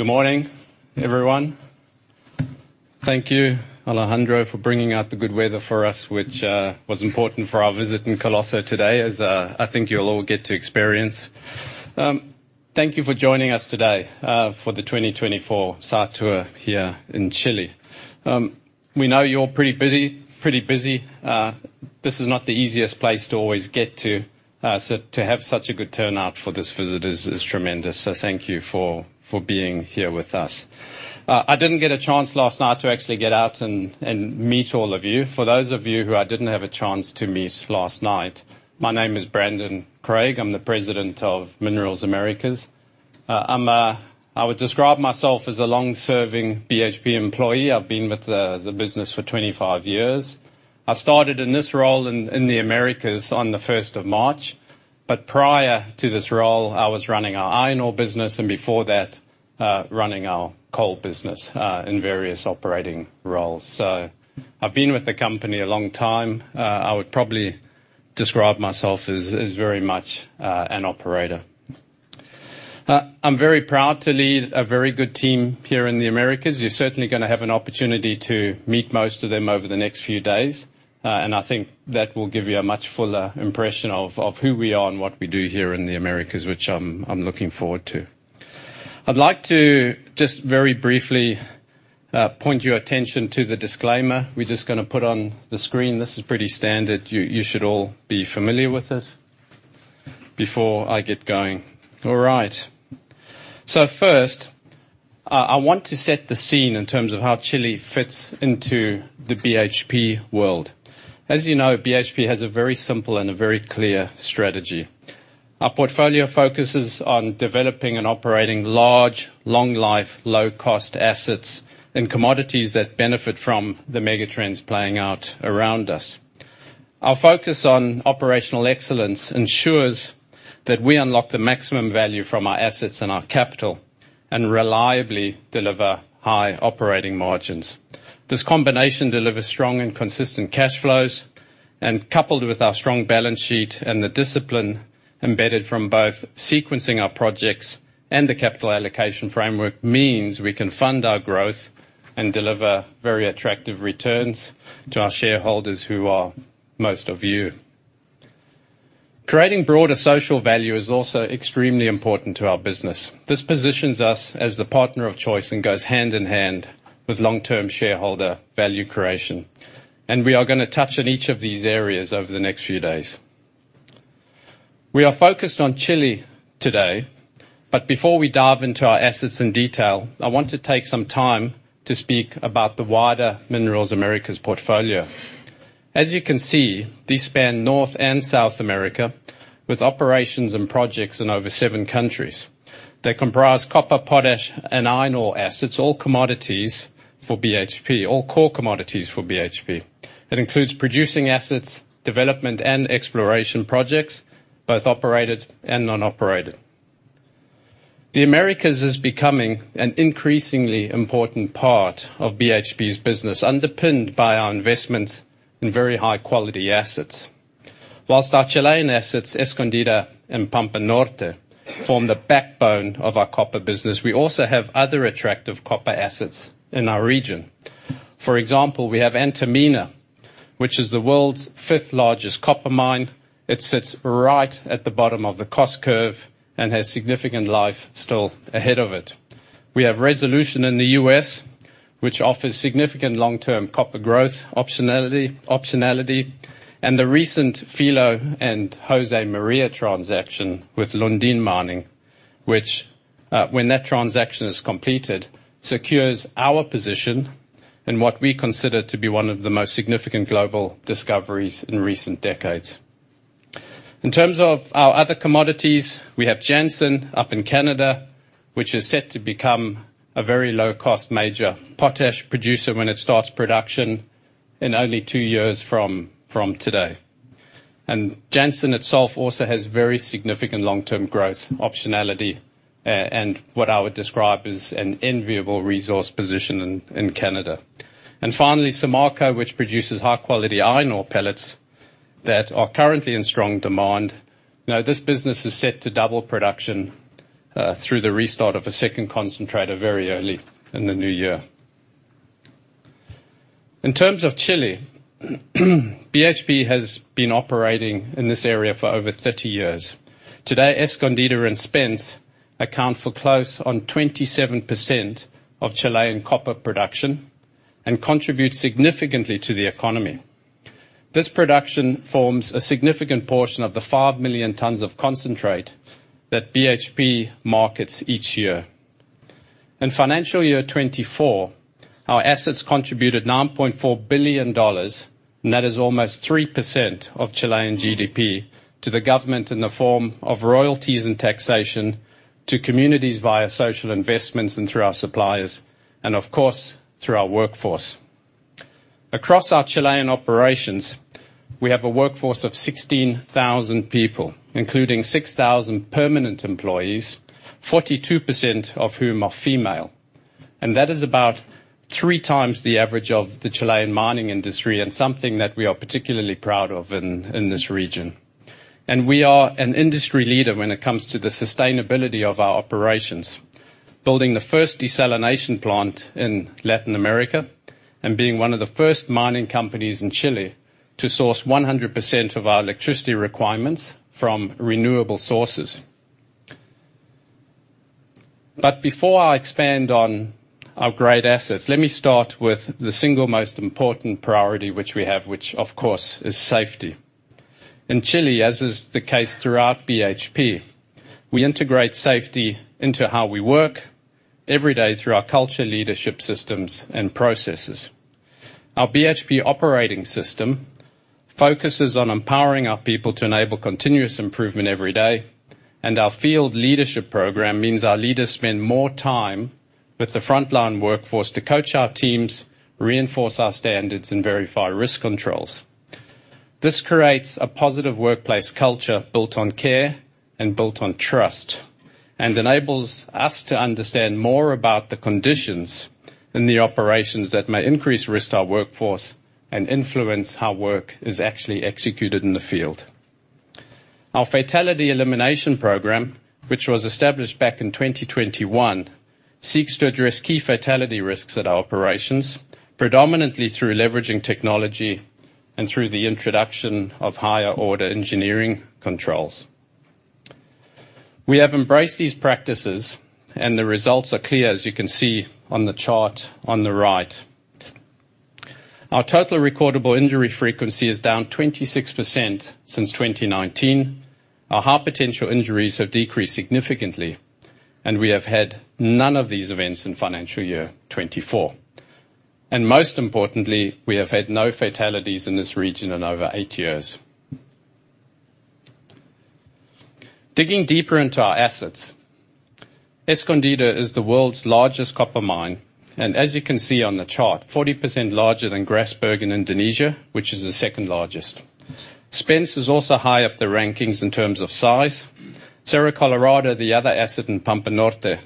Good morning, everyone. Thank you, Alejandro, for bringing out the good weather for us, which was important for our visit in Coloso today, as I think you'll all get to experience. Thank you for joining us today for the 2024 SAR Tour here in Chile. We know you're pretty busy. This is not the easiest place to always get to, so to have such a good turnout for this visit is tremendous. So thank you for being here with us. I didn't get a chance last night to actually get out and meet all of you. For those of you who I didn't have a chance to meet last night, my name is Brandon Craig. I'm the President of Minerals Americas. I would describe myself as a long-serving BHP employee. I've been with the business for 25 years. I started in this role in the Americas on the 1st of March, but prior to this role, I was running our iron ore business, and before that, running our coal business in various operating roles. So I've been with the company a long time. I would probably describe myself as very much an operator. I'm very proud to lead a very good team here in the Americas. You're certainly going to have an opportunity to meet most of them over the next few days, and I think that will give you a much fuller impression of who we are and what we do here in the Americas, which I'm looking forward to. I'd like to just very briefly point your attention to the disclaimer we're just going to put on the screen. This is pretty standard. You should all be familiar with this before I get going. All right. So first, I want to set the scene in terms of how Chile fits into the BHP world. As you know, BHP has a very simple and a very clear strategy. Our portfolio focuses on developing and operating large, long-life, low-cost assets and commodities that benefit from the megatrends playing out around us. Our focus on operational excellence ensures that we unlock the maximum value from our assets and our capital and reliably deliver high operating margins. This combination delivers strong and consistent cash flows, and coupled with our strong balance sheet and the discipline embedded from both sequencing our projects and the Capital Allocation Framework, means we can fund our growth and deliver very attractive returns to our shareholders, who are most of you. Creating broader social value is also extremely important to our business. This positions us as the partner of choice and goes hand in hand with long-term shareholder value creation, and we are going to touch on each of these areas over the next few days. We are focused on Chile today, but before we dive into our assets in detail, I want to take some time to speak about the wider Minerals Americas' portfolio. As you can see, these span North and South America with operations and projects in over seven countries. They comprise copper, potash, and iron ore assets, all commodities for BHP, all core commodities for BHP. It includes producing assets, development, and exploration projects, both operated and non-operated. The Americas is becoming an increasingly important part of BHP's business, underpinned by our investments in very high-quality assets. While our Chilean assets, Escondida and Pampa Norte, form the backbone of our copper business, we also have other attractive copper assets in our region. For example, we have Antamina, which is the world's fifth largest copper mine. It sits right at the bottom of the cost curve and has significant life still ahead of it. We have Resolution in the U.S., which offers significant long-term copper growth optionality, and the recent Filo and Josemaria transaction with Lundin Mining, which, when that transaction is completed, secures our position in what we consider to be one of the most significant global discoveries in recent decades. In terms of our other commodities, we have Jansen up in Canada, which is set to become a very low-cost major potash producer when it starts production in only two years from today. Jansen itself also has very significant long-term growth optionality and what I would describe as an enviable resource position in Canada. Finally, Samarco, which produces high-quality iron ore pellets that are currently in strong demand. Now, this business is set to double production through the restart of a second concentrator very early in the new year. In terms of Chile, BHP has been operating in this area for over 30 years. Today, Escondida and Spence account for close to 27% of Chilean copper production and contribute significantly to the economy. This production forms a significant portion of the 5 million tons of concentrate that BHP markets each year. In financial year 2024, our assets contributed $9.4 billion, and that is almost 3% of Chilean GDP, to the government in the form of royalties and taxation to communities via social investments and through our suppliers, and of course, through our workforce. Across our Chilean operations, we have a workforce of 16,000 people, including 6,000 permanent employees, 42% of whom are female, and that is about 3× the average of the Chilean mining industry and something that we are particularly proud of in this region. We are an industry leader when it comes to the sustainability of our operations, building the first desalination plant in Latin America and being one of the first mining companies in Chile to source 100% of our electricity requirements from renewable sources. But before I expand on our great assets, let me start with the single most important priority which we have, which of course is safety. In Chile, as is the case throughout BHP, we integrate safety into how we work every day through our culture, leadership systems, and processes. Our BHP Operating System focuses on empowering our people to enable continuous improvement every day, and our Field Leadership Program means our leaders spend more time with the frontline workforce to coach our teams, reinforce our standards, and verify risk controls. This creates a positive workplace culture built on care and built on trust and enables us to understand more about the conditions in the operations that may increase risk to our workforce and influence how work is actually executed in the field. Our fatality elimination program, which was established back in 2021, seeks to address key fatality risks at our operations, predominantly through leveraging technology and through the introduction of higher-order engineering controls. We have embraced these practices, and the results are clear, as you can see on the chart on the right. Our Total Recordable Injury Frequency is down 26% since 2019. Our high potential injuries have decreased significantly, and we have had none of these events in financial year 2024, and most importantly, we have had no fatalities in this region in over eight years. Digging deeper into our assets, Escondida is the world's largest copper mine, and as you can see on the chart, 40% larger than Grasberg in Indonesia, which is the second largest. Spence is also high up the rankings in terms of size. Cerro Colorado, the other asset in Pampa Norte,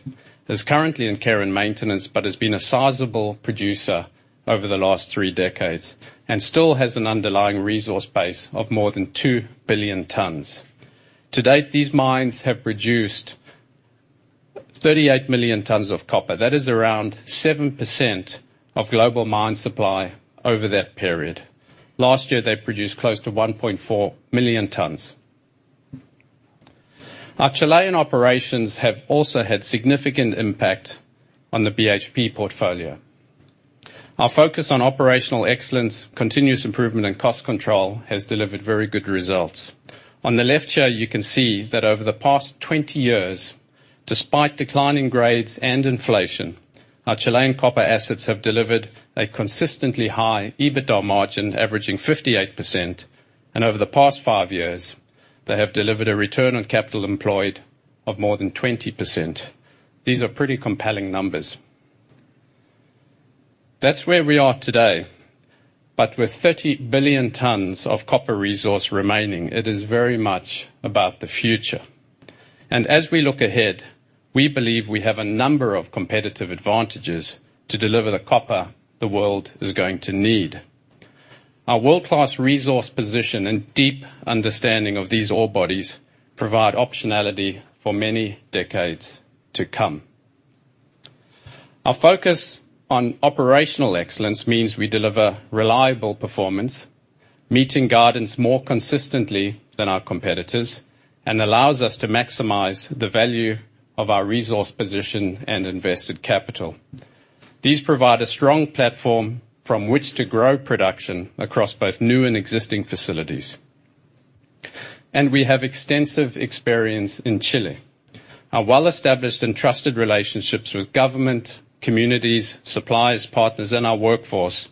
is currently in care and maintenance but has been a sizable producer over the last three decades and still has an underlying resource base of more than 2 billion tons. To date, these mines have produced 38 million tons of copper. That is around 7% of global mine supply over that period. Last year, they produced close to 1.4 million tons. Our Chilean operations have also had significant impact on the BHP portfolio. Our focus on operational excellence, continuous improvement, and cost control has delivered very good results. On the left here, you can see that over the past 20 years, despite declining grades and inflation, our Chilean copper assets have delivered a consistently high EBITDA margin averaging 58%, and over the past five years, they have delivered a return on capital employed of more than 20%. These are pretty compelling numbers. That's where we are today, but with 30 billion tons of copper resource remaining, it is very much about the future, and as we look ahead, we believe we have a number of competitive advantages to deliver the copper the world is going to need. Our world-class resource position and deep understanding of these ore bodies provide optionality for many decades to come. Our focus on operational excellence means we deliver reliable performance, meeting guidance more consistently than our competitors, and allows us to maximize the value of our resource position and invested capital. These provide a strong platform from which to grow production across both new and existing facilities, and we have extensive experience in Chile. Our well-established and trusted relationships with government, communities, suppliers, partners, and our workforce,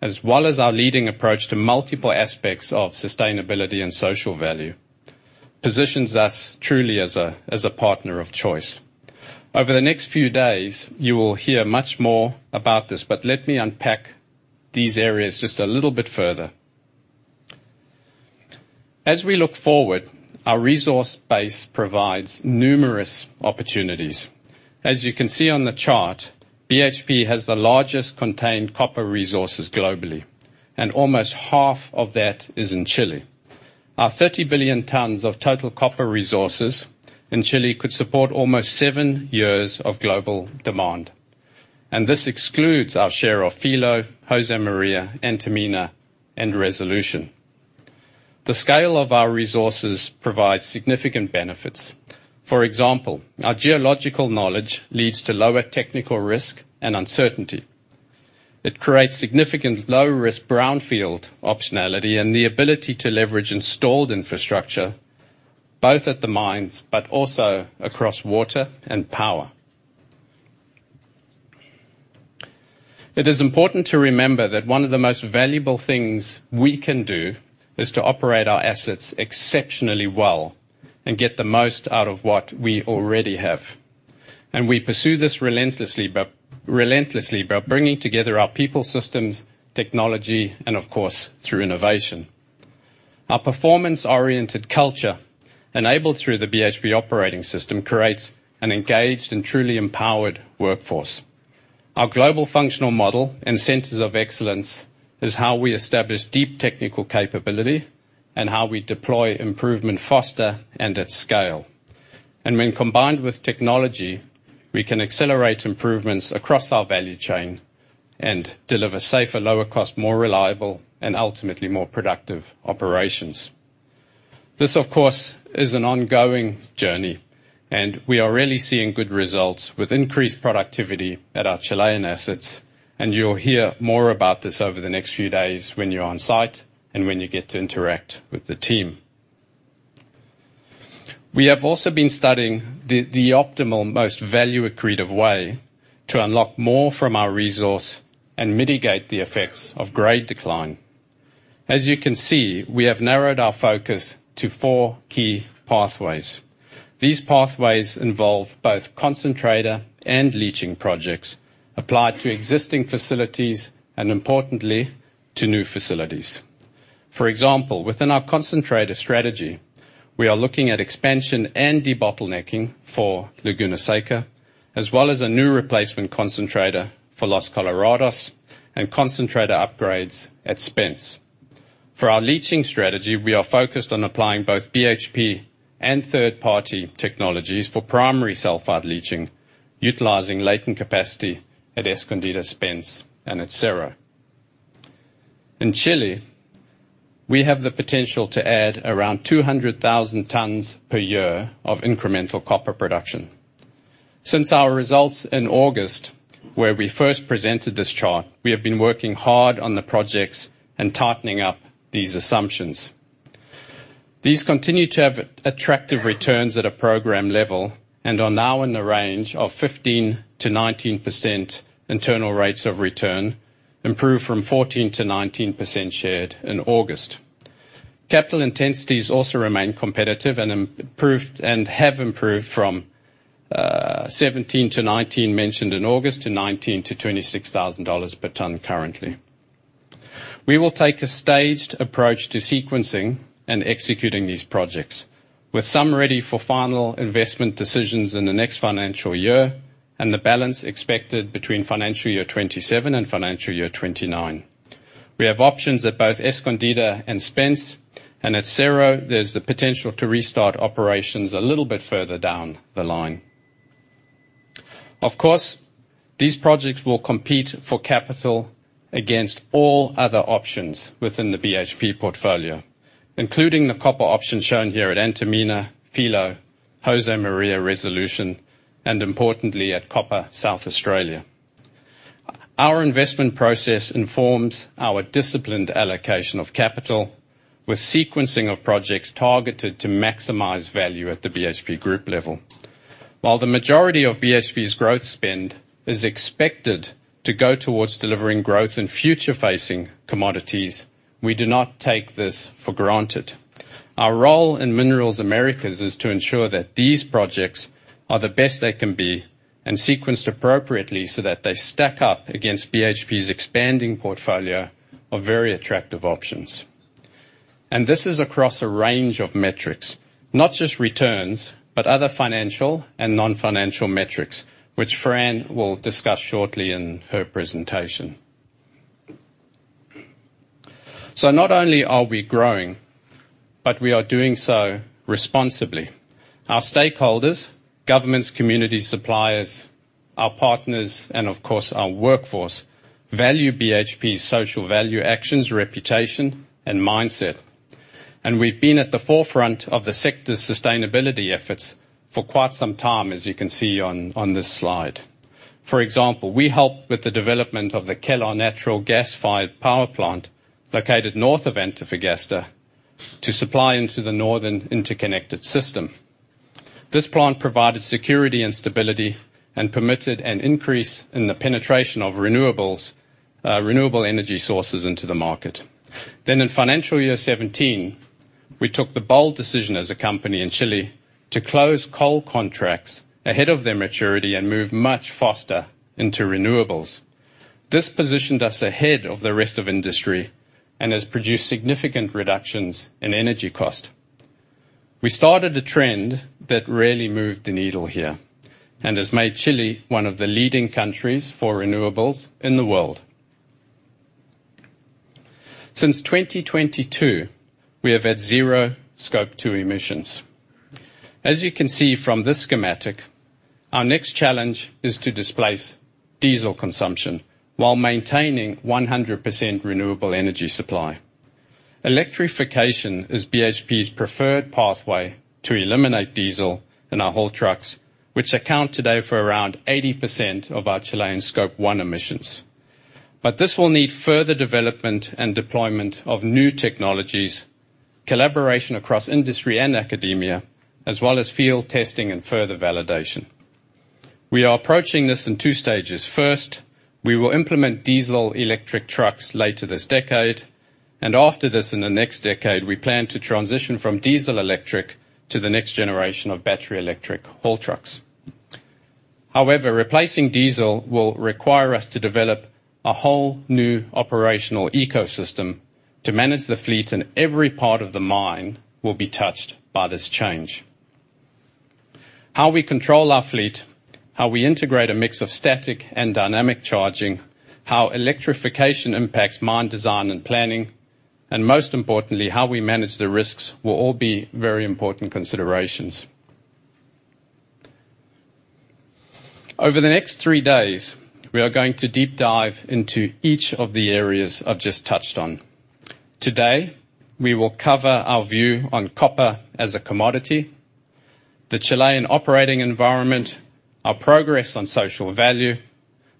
as well as our leading approach to multiple aspects of sustainability and social value, positions us truly as a partner of choice. Over the next few days, you will hear much more about this, but let me unpack these areas just a little bit further. As we look forward, our resource base provides numerous opportunities. As you can see on the chart, BHP has the largest contained copper resources globally, and almost half of that is in Chile. Our 30 billion tons of total copper resources in Chile could support almost seven years of global demand and this excludes our share of Filo, Josemaria, Antamina, and Resolution. The scale of our resources provides significant benefits. For example, our geological knowledge leads to lower technical risk and uncertainty. It creates significant low-risk brownfield optionality and the ability to leverage installed infrastructure both at the mines but also across water and power. It is important to remember that one of the most valuable things we can do is to operate our assets exceptionally well and get the most out of what we already have, and we pursue this relentlessly by bringing together our people, systems, technology, and of course, through innovation. Our performance-oriented culture enabled through the BHP Operating System creates an engaged and truly empowered workforce. Our global functional model and centers of excellence is how we establish deep technical capability and how we deploy improvement faster and at scale, and when combined with technology, we can accelerate improvements across our value chain and deliver safer, lower-cost, more reliable, and ultimately more productive operations. This, of course, is an ongoing journey, and we are really seeing good results with increased productivity at our Chilean assets and you'll hear more about this over the next few days when you're on site and when you get to interact with the team. We have also been studying the optimal, most value-accretive way to unlock more from our resource and mitigate the effects of grade decline. As you can see, we have narrowed our focus to four key pathways. These pathways involve both concentrator and leaching projects applied to existing facilities and, importantly, to new facilities. For example, within our concentrator strategy, we are looking at expansion and debottlenecking for Laguna Seca, as well as a new replacement concentrator for Los Colorados and concentrator upgrades at Spence. For our leaching strategy, we are focused on applying both BHP and third-party technologies for primary sulfide leaching, utilizing latent capacity at Escondida, Spence, and at Cerro. In Chile, we have the potential to add around 200,000 tons per year of incremental copper production. Since our results in August, where we first presented this chart, we have been working hard on the projects and tightening up these assumptions. These continue to have attractive returns at a program level and are now in the range of 15%-19% internal rates of return, improved from 14%-19% shared in August. Capital intensities also remain competitive and have improved from $17,000-$19,000 mentioned in August to $19,000-$26,000 per ton currently. We will take a staged approach to sequencing and executing these projects, with some ready for final investment decisions in the next financial year and the balance expected between financial year 2027 and financial year 2029. We have options at both Escondida and Spence, and at Cerro, there's the potential to restart operations a little bit further down the line. Of course, these projects will compete for capital against all other options within the BHP portfolio, including the copper options shown here at Antamina, Filo, Josemaria, Resolution, and importantly, at Copper South Australia. Our investment process informs our disciplined allocation of capital, with sequencing of projects targeted to maximize value at the BHP group level. While the majority of BHP's growth spend is expected to go towards delivering growth in future-facing commodities, we do not take this for granted. Our role in Minerals Americas is to ensure that these projects are the best they can be and sequenced appropriately so that they stack up against BHP's expanding portfolio of very attractive options. This is across a range of metrics, not just returns, but other financial and non-financial metrics, which Fran will discuss shortly in her presentation. So not only are we growing, but we are doing so responsibly. Our stakeholders, governments, community suppliers, our partners, and of course, our workforce value BHP's social value, actions, reputation, and mindset and we've been at the forefront of the sector's sustainability efforts for quite some time, as you can see on this slide. For example, we helped with the development of the Kelar Natural Gas Fired Power Plant located north of Antofagasta to supply into the Northern Interconnected System. This plant provided security and stability and permitted an increase in the penetration of renewable energy sources into the market. Then in financial year 2017, we took the bold decision as a company in Chile to close coal contracts ahead of their maturity and move much faster into renewables. This positioned us ahead of the rest of industry and has produced significant reductions in energy cost. We started a trend that really moved the needle here and has made Chile one of the leading countries for renewables in the world. Since 2022, we have had zero Scope 2 emissions. As you can see from this schematic, our next challenge is to displace diesel consumption while maintaining 100% renewable energy supply. Electrification is BHP's preferred pathway to eliminate diesel in our haul trucks, which account today for around 80% of our Chilean Scope 1 emissions. But this will need further development and deployment of new technologies, collaboration across industry and academia, as well as field testing and further validation. We are approaching this in two stages. First, we will implement diesel electric trucks later this decade, and after this, in the next decade, we plan to transition from diesel electric to the next generation of battery electric haul trucks. However, replacing diesel will require us to develop a whole new operational ecosystem to manage the fleet, and every part of the mine will be touched by this change. How we control our fleet, how we integrate a mix of static and dynamic charging, how electrification impacts mine design and planning, and most importantly, how we manage the risks will all be very important considerations. Over the next three days, we are going to deep dive into each of the areas I've just touched on. Today, we will cover our view on copper as a commodity, the Chilean operating environment, our progress on social value,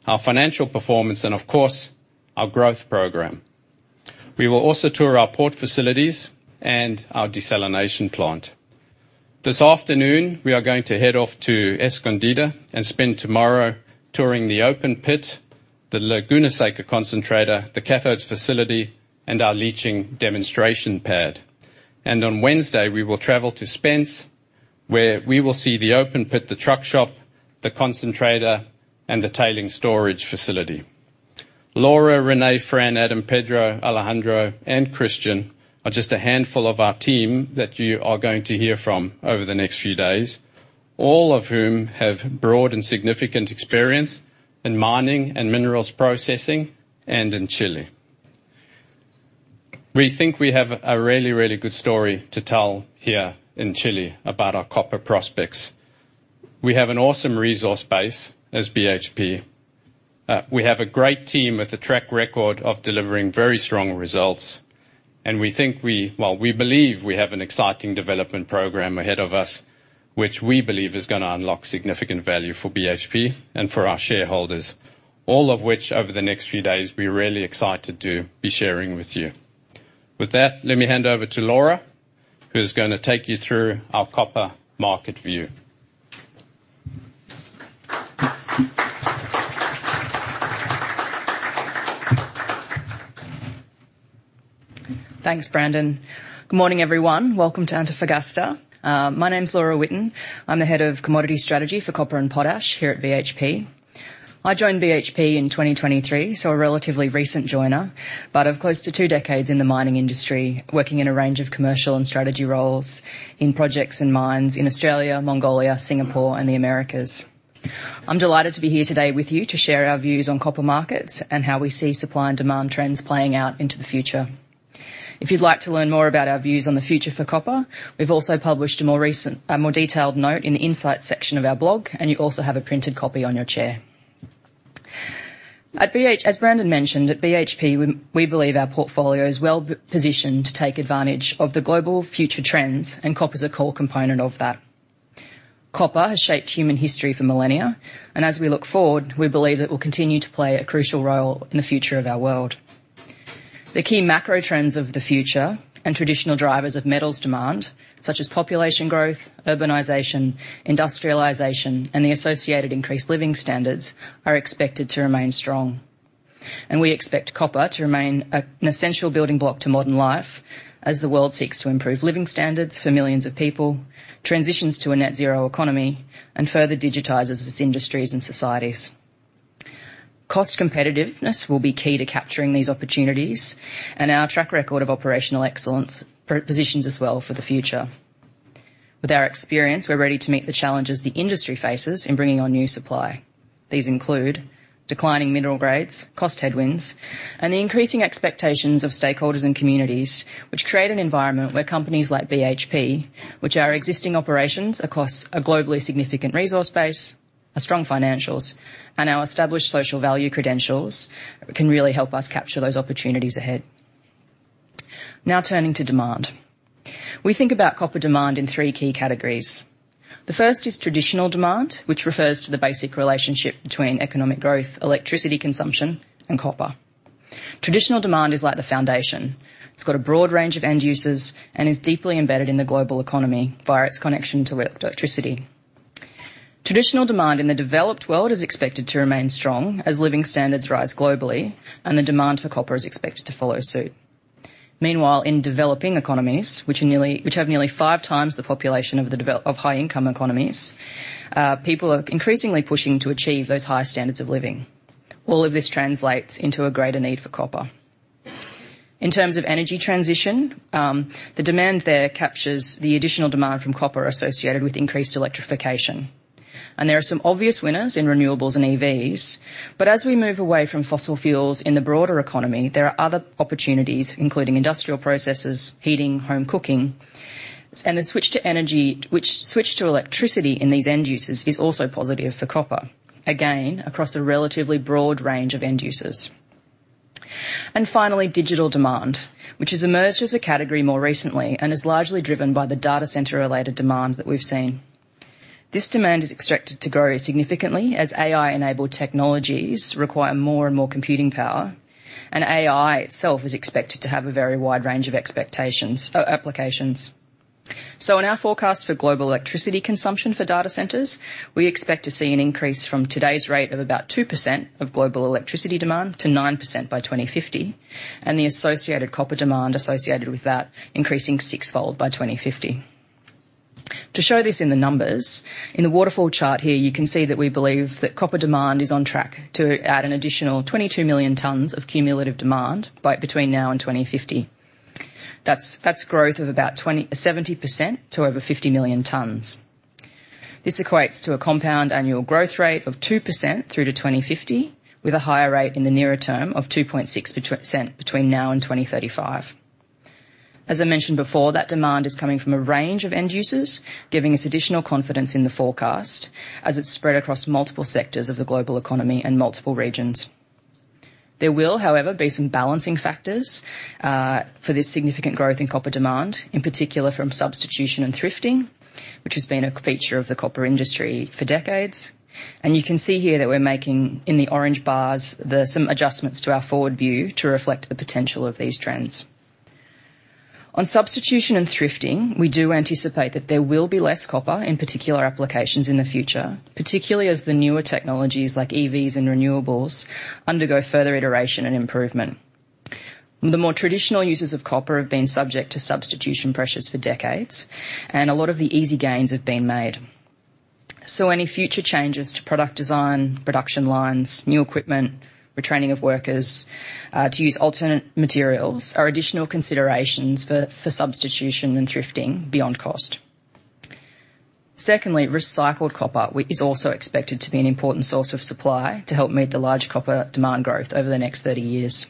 our financial performance, and of course, our growth program. We will also tour our port facilities and our desalination plant. This afternoon, we are going to head off to Escondida and spend tomorrow touring the open pit, the Laguna Seca concentrator, the cathodes facility, and our leaching demonstration pad, and on Wednesday, we will travel to Spence, where we will see the open pit, the truck shop, the concentrator, and the tailings storage facility. Laura, René, Fran, Adam, Pedro, Alejandro, and Christian are just a handful of our team that you are going to hear from over the next few days, all of whom have broad and significant experience in mining and minerals processing and in Chile. We think we have a really, really good story to tell here in Chile about our copper prospects. We have an awesome resource base as BHP. We have a great team with a track record of delivering very strong results, and we think we, well, we believe we have an exciting development program ahead of us, which we believe is going to unlock significant value for BHP and for our shareholders, all of which, over the next few days, we're really excited to be sharing with you. With that, let me hand over to Laura, who is going to take you through our copper market view. Thanks, Brandon. Good morning, everyone. Welcome to Antofagasta. My name's Laura Whitton. I'm the head of commodity strategy for copper and potash here at BHP. I joined BHP in 2023, so a relatively recent joiner, but of close to two decades in the mining industry, working in a range of commercial and strategy roles in projects and mines in Australia, Mongolia, Singapore, and the Americas. I'm delighted to be here today with you to share our views on copper markets and how we see supply and demand trends playing out into the future. If you'd like to learn more about our views on the future for copper, we've also published a more detailed note in the insights section of our blog, and you also have a printed copy on your chair. As Brandon mentioned, at BHP, we believe our portfolio is well-positioned to take advantage of the global future trends, and copper is a core component of that. Copper has shaped human history for millennia, and as we look forward, we believe it will continue to play a crucial role in the future of our world. The key macro trends of the future and traditional drivers of metals demand, such as population growth, urbanization, industrialization, and the associated increased living standards, are expected to remain strong. We expect copper to remain an essential building block to modern life as the world seeks to improve living standards for millions of people, transitions to a net-zero economy, and further digitizes its industries and societies. Cost competitiveness will be key to capturing these opportunities, and our track record of operational excellence positions us well for the future. With our experience, we're ready to meet the challenges the industry faces in bringing on new supply. These include declining mineral grades, cost headwinds, and the increasing expectations of stakeholders and communities, which create an environment where companies like BHP, which are existing operations across a globally significant resource base, have strong financials, and have established social value credentials, can really help us capture those opportunities ahead. Now turning to demand, we think about copper demand in three key categories. The first is traditional demand, which refers to the basic relationship between economic growth, electricity consumption, and copper. Traditional demand is like the foundation. It's got a broad range of end uses and is deeply embedded in the global economy via its connection to electricity. Traditional demand in the developed world is expected to remain strong as living standards rise globally, and the demand for copper is expected to follow suit. Meanwhile, in developing economies, which have nearly 5× the population of high-income economies, people are increasingly pushing to achieve those high standards of living. All of this translates into a greater need for copper. In terms of energy transition, the demand there captures the additional demand from copper associated with increased electrification. There are some obvious winners in renewables and EVs, but as we move away from fossil fuels in the broader economy, there are other opportunities, including industrial processes, heating, home cooking, and the switch to energy, which switched to electricity in these end uses, is also positive for copper, again, across a relatively broad range of end users. Finally, digital demand, which has emerged as a category more recently and is largely driven by the data center-related demand that we've seen. This demand is expected to grow significantly as AI-enabled technologies require more and more computing power, and AI itself is expected to have a very wide range of applications. So in our forecast for global electricity consumption for data centers, we expect to see an increase from today's rate of about 2% of global electricity demand to 9% by 2050, and the associated copper demand associated with that increasing sixfold by 2050. To show this in the numbers, in the waterfall chart here, you can see that we believe that copper demand is on track to add an additional 22 million tons of cumulative demand between now and 2050. That's growth of about 70% to over 50 million tons. This equates to a compound annual growth rate of 2% through to 2050, with a higher rate in the nearer term of 2.6% between now and 2035. As I mentioned before, that demand is coming from a range of end users, giving us additional confidence in the forecast as it's spread across multiple sectors of the global economy and multiple regions. There will, however, be some balancing factors for this significant growth in copper demand, in particular from substitution and thrifting, which has been a feature of the copper industry for decades, and you can see here that we're making in the orange bars some adjustments to our forward view to reflect the potential of these trends. On substitution and thrifting, we do anticipate that there will be less copper in particular applications in the future, particularly as the newer technologies like EVs and renewables undergo further iteration and improvement. The more traditional uses of copper have been subject to substitution pressures for decades, and a lot of the easy gains have been made. So any future changes to product design, production lines, new equipment, retraining of workers to use alternate materials are additional considerations for substitution and thrifting beyond cost. Secondly, recycled copper is also expected to be an important source of supply to help meet the large copper demand growth over the next 30 years.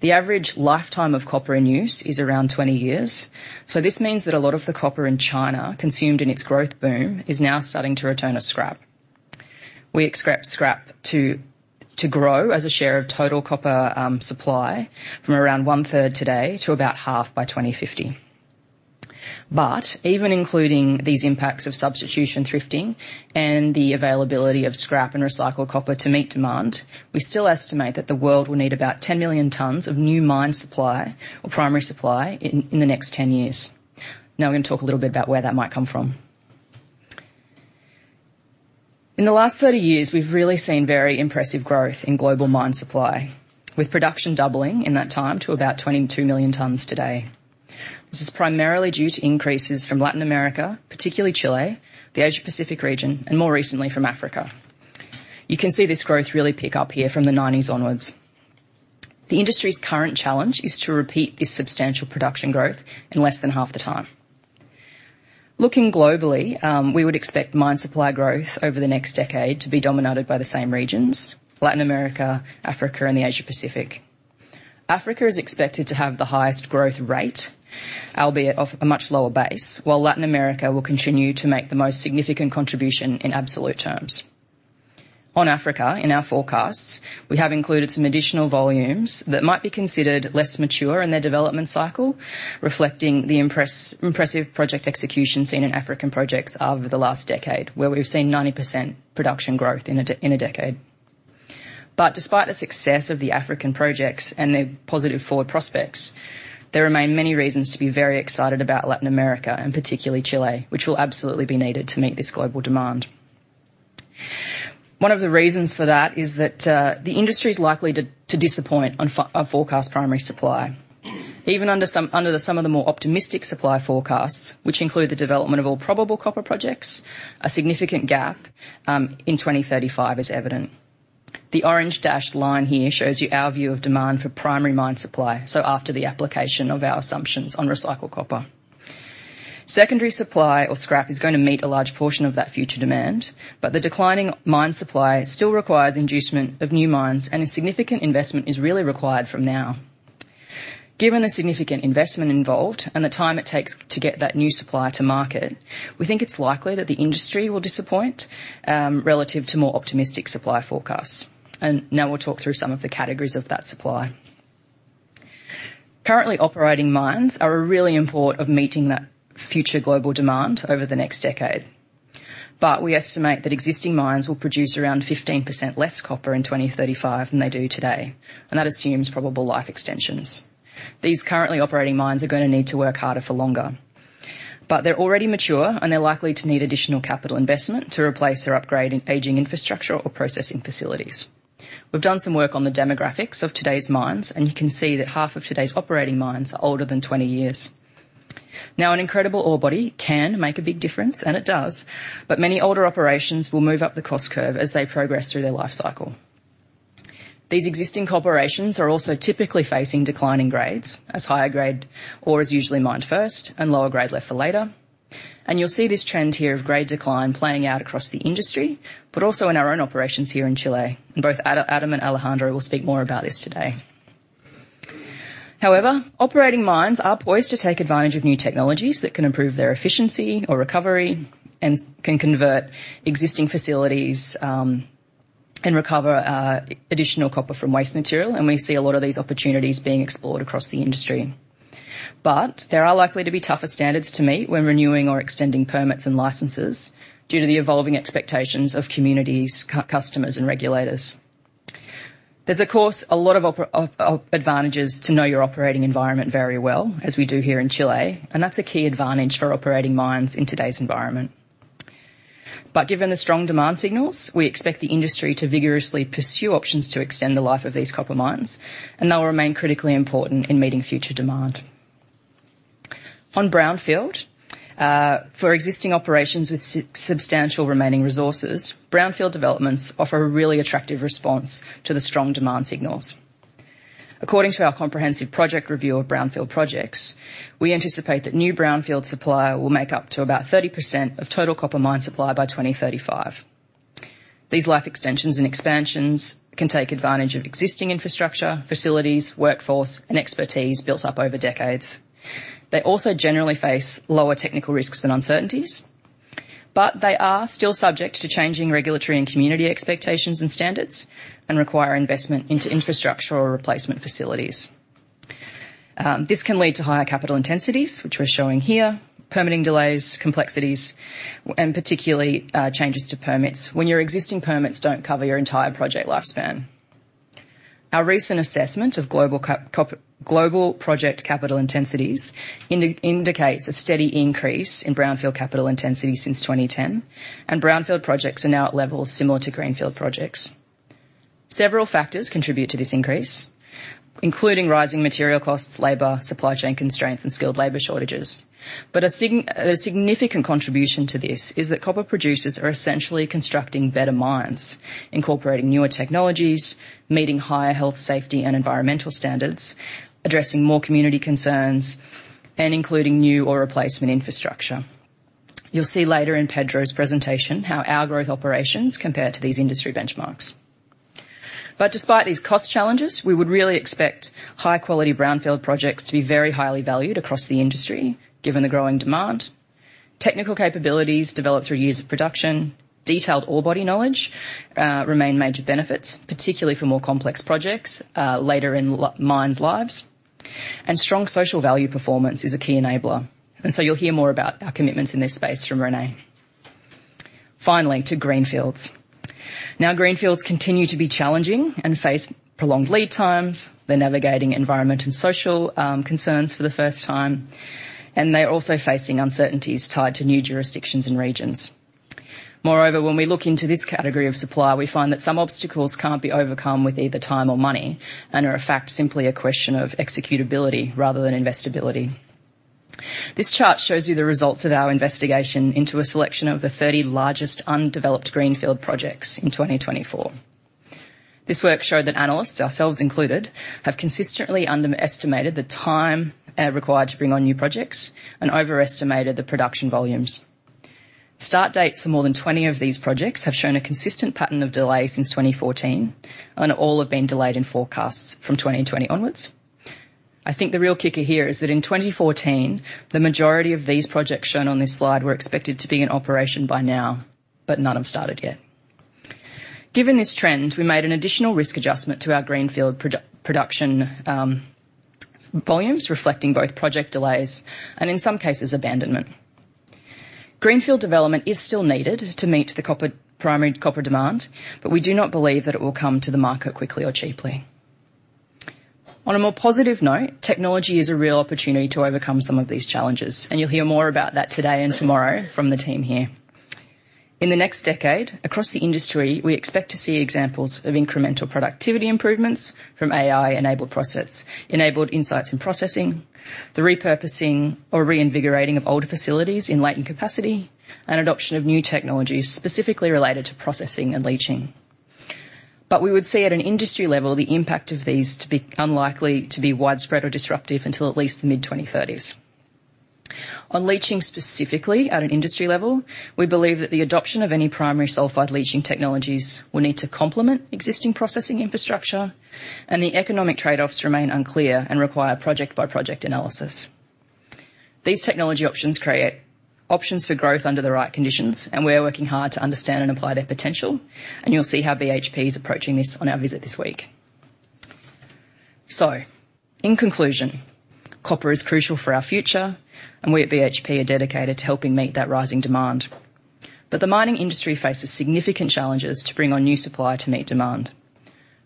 The average lifetime of copper in use is around 20 years. So this means that a lot of the copper in China consumed in its growth boom is now starting to return as scrap. We expect scrap to grow as a share of total copper supply from around 1/3 today to about half by 2050. But even including these impacts of substitution, thrifting, and the availability of scrap and recycled copper to meet demand, we still estimate that the world will need about 10 million tons of new mine supply or primary supply in the next 10 years. Now we're going to talk a little bit about where that might come from. In the last 30 years, we've really seen very impressive growth in global mine supply, with production doubling in that time to about 22 million tons today. This is primarily due to increases from Latin America, particularly Chile, the Asia-Pacific region, and more recently from Africa. You can see this growth really pick up here from the 1990s onwards. The industry's current challenge is to repeat this substantial production growth in less than half the time. Looking globally, we would expect mine supply growth over the next decade to be dominated by the same regions: Latin America, Africa, and the Asia-Pacific. Africa is expected to have the highest growth rate, albeit off a much lower base, while Latin America will continue to make the most significant contribution in absolute terms. On Africa, in our forecasts, we have included some additional volumes that might be considered less mature in their development cycle, reflecting the impressive project execution seen in African projects over the last decade, where we've seen 90% production growth in a decade. But despite the success of the African projects and the positive forward prospects, there remain many reasons to be very excited about Latin America and particularly Chile, which will absolutely be needed to meet this global demand. One of the reasons for that is that the industry is likely to disappoint on forecast primary supply. Even under some of the more optimistic supply forecasts, which include the development of all probable copper projects, a significant gap in 2035 is evident. The orange dashed line here shows you our view of demand for primary mine supply, so after the application of our assumptions on recycled copper. Secondary supply or scrap is going to meet a large portion of that future demand, but the declining mine supply still requires inducement of new mines, and a significant investment is really required from now. Given the significant investment involved and the time it takes to get that new supply to market, we think it's likely that the industry will disappoint relative to more optimistic supply forecasts. Now we'll talk through some of the categories of that supply. Currently operating mines are really important for meeting that future global demand over the next decade, but we estimate that existing mines will produce around 15% less copper in 2035 than they do today, and that assumes probable life extensions. These currently operating mines are going to need to work harder for longer. But they're already mature, and they're likely to need additional capital investment to replace or upgrade aging infrastructure or processing facilities. We've done some work on the demographics of today's mines, and you can see that half of today's operating mines are older than 20 years. Now, an incredible ore body can make a big difference, and it does, but many older operations will move up the cost curve as they progress through their life cycle. These existing corporations are also typically facing declining grades, as higher grade ore is usually mined first and lower grade left for later, and you'll see this trend here of grade decline playing out across the industry, but also in our own operations here in Chile, and both Adam and Alejandro will speak more about this today. However, operating mines are poised to take advantage of new technologies that can improve their efficiency or recovery and can convert existing facilities and recover additional copper from waste material, and we see a lot of these opportunities being explored across the industry. But there are likely to be tougher standards to meet when renewing or extending permits and licenses due to the evolving expectations of communities, customers, and regulators. There's, of course, a lot of advantages to know your operating environment very well, as we do here in Chile, and that's a key advantage for operating mines in today's environment. But given the strong demand signals, we expect the industry to vigorously pursue options to extend the life of these copper mines, and they'll remain critically important in meeting future demand. On brownfield, for existing operations with substantial remaining resources, brownfield developments offer a really attractive response to the strong demand signals. According to our comprehensive project review of brownfield projects, we anticipate that new brownfield supply will make up to about 30% of total copper mine supply by 2035. These life extensions and expansions can take advantage of existing infrastructure, facilities, workforce, and expertise built up over decades. They also generally face lower technical risks and uncertainties, but they are still subject to changing regulatory and community expectations and standards and require investment into infrastructure or replacement facilities. This can lead to higher capital intensities, which we're showing here, permitting delays, complexities, and particularly changes to permits when your existing permits don't cover your entire project lifespan. Our recent assessment of global project capital intensities indicates a steady increase in brownfield capital intensity since 2010, and brownfield projects are now at levels similar to greenfield projects. Several factors contribute to this increase, including rising material costs, labor, supply chain constraints, and skilled labor shortages. But a significant contribution to this is that copper producers are essentially constructing better mines, incorporating newer technologies, meeting higher health, safety, and environmental standards, addressing more community concerns, and including new or replacement infrastructure. You'll see later in Pedro's presentation how our growth operations compare to these industry benchmarks. But despite these cost challenges, we would really expect high-quality brownfield projects to be very highly valued across the industry, given the growing demand. Technical capabilities developed through years of production, detailed ore body knowledge, remain major benefits, particularly for more complex projects later in mines' lives and strong social value performance is a key enabler. So you'll hear more about our commitments in this space from René. Finally, to greenfields. Now, greenfields continue to be challenging and face prolonged lead times. They're navigating environment and social concerns for the first time, and they're also facing uncertainties tied to new jurisdictions and regions. Moreover, when we look into this category of supply, we find that some obstacles can't be overcome with either time or money and are, in fact, simply a question of executability rather than investability. This chart shows you the results of our investigation into a selection of the 30 largest undeveloped greenfield projects in 2024. This work showed that analysts, ourselves included, have consistently underestimated the time required to bring on new projects and overestimated the production volumes. Start dates for more than 20 of these projects have shown a consistent pattern of delay since 2014, and all have been delayed in forecasts from 2020 onwards. I think the real kicker here is that in 2014, the majority of these projects shown on this slide were expected to be in operation by now, but none have started yet. Given this trend, we made an additional risk adjustment to our greenfield production volumes, reflecting both project delays and, in some cases, abandonment. Greenfield development is still needed to meet the primary copper demand, but we do not believe that it will come to the market quickly or cheaply. On a more positive note, technology is a real opportunity to overcome some of these challenges, and you'll hear more about that today and tomorrow from the team here. In the next decade, across the industry, we expect to see examples of incremental productivity improvements from AI-enabled insights in processing, the repurposing or reinvigorating of old facilities in latent capacity, and adoption of new technologies specifically related to processing and leaching. But we would see at an industry level the impact of these to be unlikely to be widespread or disruptive until at least the mid-2030s. On leaching specifically, at an industry level, we believe that the adoption of any primary sulfide leaching technologies will need to complement existing processing infrastructure, and the economic trade-offs remain unclear and require project-by-project analysis. These technology options create options for growth under the right conditions, and we are working hard to understand and apply their potential, and you'll see how BHP is approaching this on our visit this week. So, in conclusion, copper is crucial for our future, and we at BHP are dedicated to helping meet that rising demand, but the mining industry faces significant challenges to bring on new supply to meet demand.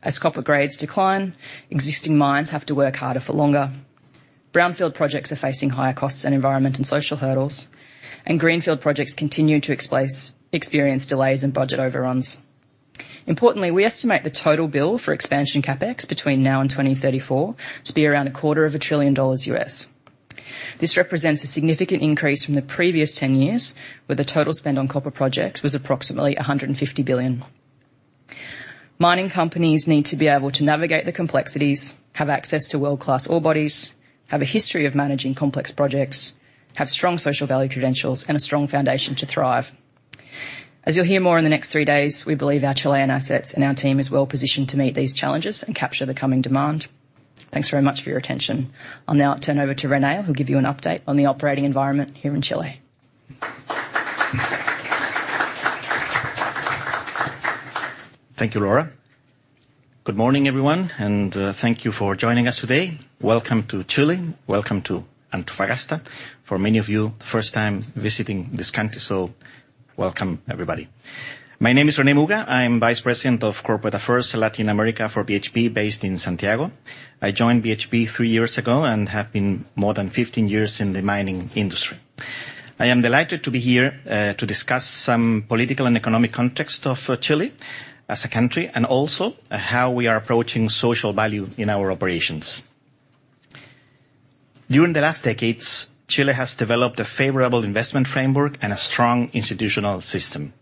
As copper grades decline, existing mines have to work harder for longer. Brownfield projects are facing higher costs and environmental and social hurdles, and greenfield projects continue to experience delays and budget overruns. Importantly, we estimate the total bill for expansion CapEx between now and 2034 to be around $250 billion. This represents a significant increase from the previous 10 years, where the total spend on copper projects was approximately $150 billion. Mining companies need to be able to navigate the complexities, have access to world-class ore bodies, have a history of managing complex projects, have strong social value credentials, and a strong foundation to thrive. As you'll hear more in the next three days, we believe our Chilean assets and our team are well-positioned to meet these challenges and capture the coming demand. Thanks very much for your attention. I'll now turn over to René, who'll give you an update on the operating environment here in Chile. Thank you, Laura. Good morning, everyone, and thank you for joining us today. Welcome to Chile, welcome to Antofagasta. For many of you, the first time visiting this country, so welcome, everybody. My name is René Muga. I'm Vice President of Corporate Affairs, Latin America for BHP, based in Santiago. I joined BHP three years ago and have been more than 15 years in the mining industry. I am delighted to be here to discuss some political and economic context of Chile as a country and also how we are approaching social value in our operations. During the last decades, Chile has developed a favorable investment framework and a strong institutional system.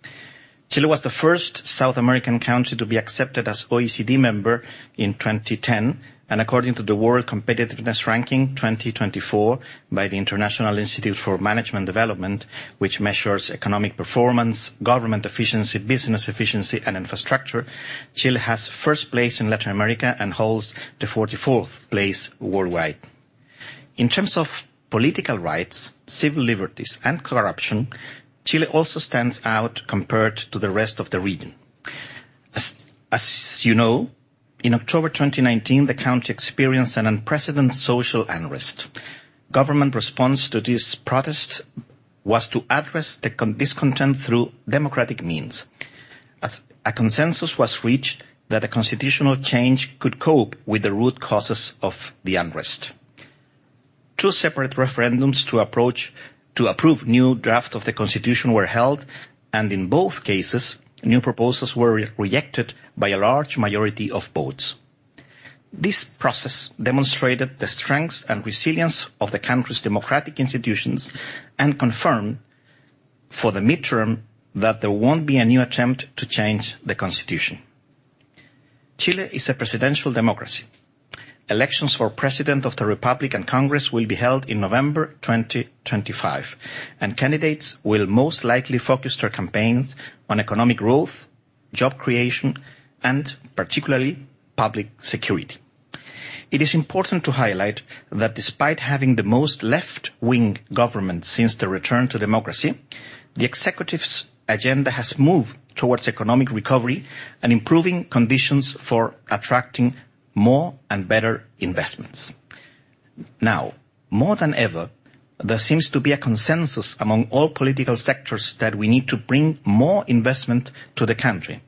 Chile was the first South American country to be accepted as OECD member in 2010, and according to the World Competitiveness Ranking 2024 by the International Institute for Management Development, which measures economic performance, government efficiency, business efficiency, and infrastructure, Chile has first place in Latin America and holds the 44th place worldwide. In terms of political rights, civil liberties, and corruption, Chile also stands out compared to the rest of the region. As you know, in October 2019, the country experienced an unprecedented social unrest. Government response to this protest was to address the discontent through democratic means. A consensus was reached that a constitutional change could cope with the root causes of the unrest. Two separate referendums to approve new drafts of the constitution were held, and in both cases, new proposals were rejected by a large majority of votes. This process demonstrated the strength and resilience of the country's democratic institutions and confirmed for the midterm that there won't be a new attempt to change the constitution. Chile is a presidential democracy. Elections for president of the Republic and Congress will be held in November 2025, and candidates will most likely focus their campaigns on economic growth, job creation, and particularly public security. It is important to highlight that despite having the most left-wing government since the return to democracy, the executive's agenda has moved towards economic recovery and improving conditions for attracting more and better investments. Now, more than ever, there seems to be a consensus among all political sectors that we need to bring more investment to the country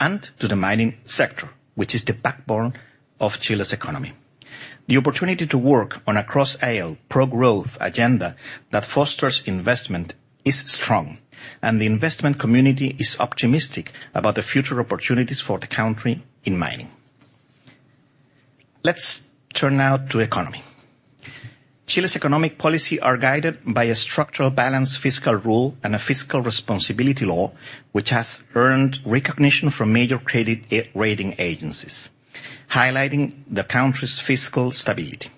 and to the mining sector, which is the backbone of Chile's economy. The opportunity to work on a cross-aisle, pro-growth agenda that fosters investment is strong, and the investment community is optimistic about the future opportunities for the country in mining. Let's turn now to economy. Chile's economic policies are guided by a structural balance, fiscal rule, and a Fiscal Responsibility Law, which has earned recognition from major credit rating agencies, highlighting the country's fiscal stability.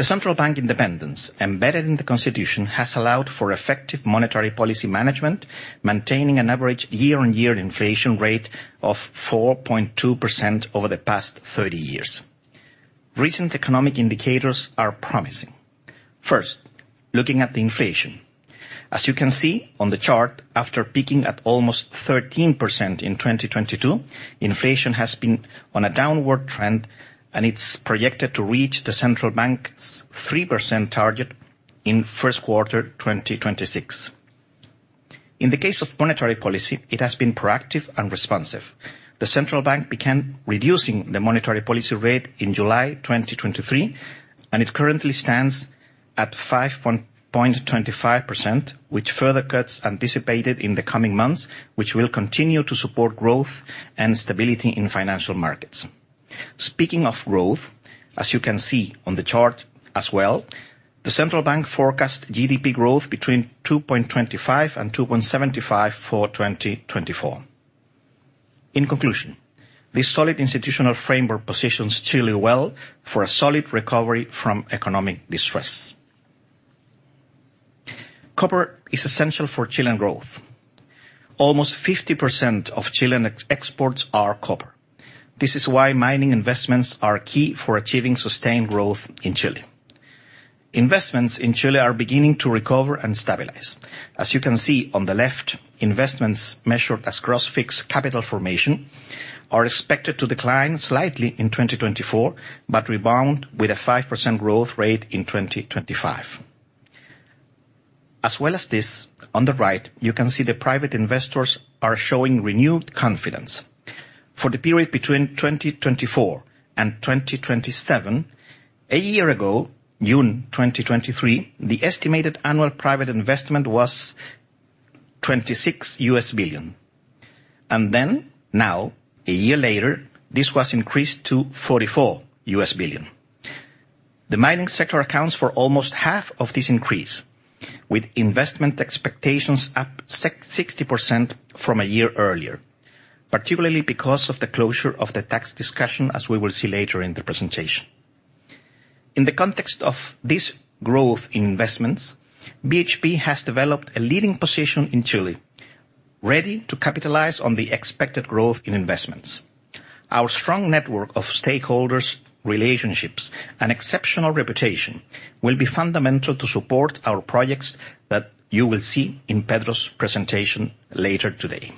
The central bank independence embedded in the constitution has allowed for effective monetary policy management, maintaining an average year-on-year inflation rate of 4.2% over the past 30 years. Recent economic indicators are promising. First, looking at the inflation. As you can see on the chart, after peaking at almost 13% in 2022, inflation has been on a downward trend, and it's projected to reach the central bank's 3% target in first quarter 2026. In the case of monetary policy, it has been proactive and responsive. Central Bank of Chile began reducing the monetary policy rate in July 2023, and it currently stands at 5.25%, with further cuts anticipated in the coming months, which will continue to support growth and stability in financial markets. Speaking of growth, as you can see on the chart as well, the Central Bank of Chile forecasts GDP growth between 2.25% and 2.75% for 2024. In conclusion, this solid institutional framework positions Chile well for a solid recovery from economic distress. Copper is essential for Chilean growth. Almost 50% of Chilean exports are copper. This is why mining investments are key for achieving sustained growth in Chile. Investments in Chile are beginning to recover and stabilize. As you can see on the left, investments measured as gross fixed capital formation are expected to decline slightly in 2024, but rebound with a 5% growth rate in 2025. As well as this, on the right, you can see the private investors are showing renewed confidence. For the period between 2024 and 2027, a year ago, June 2023, the estimated annual private investment was $26 billion, and then now, a year later, this was increased to $44 billion. The mining sector accounts for almost half of this increase, with investment expectations up 60% from a year earlier, particularly because of the closure of the tax discussion, as we will see later in the presentation. In the context of this growth in investments, BHP has developed a leading position in Chile, ready to capitalize on the expected growth in investments. Our strong network of stakeholders, relationships, and exceptional reputation will be fundamental to support our projects that you will see in Pedro's presentation later today.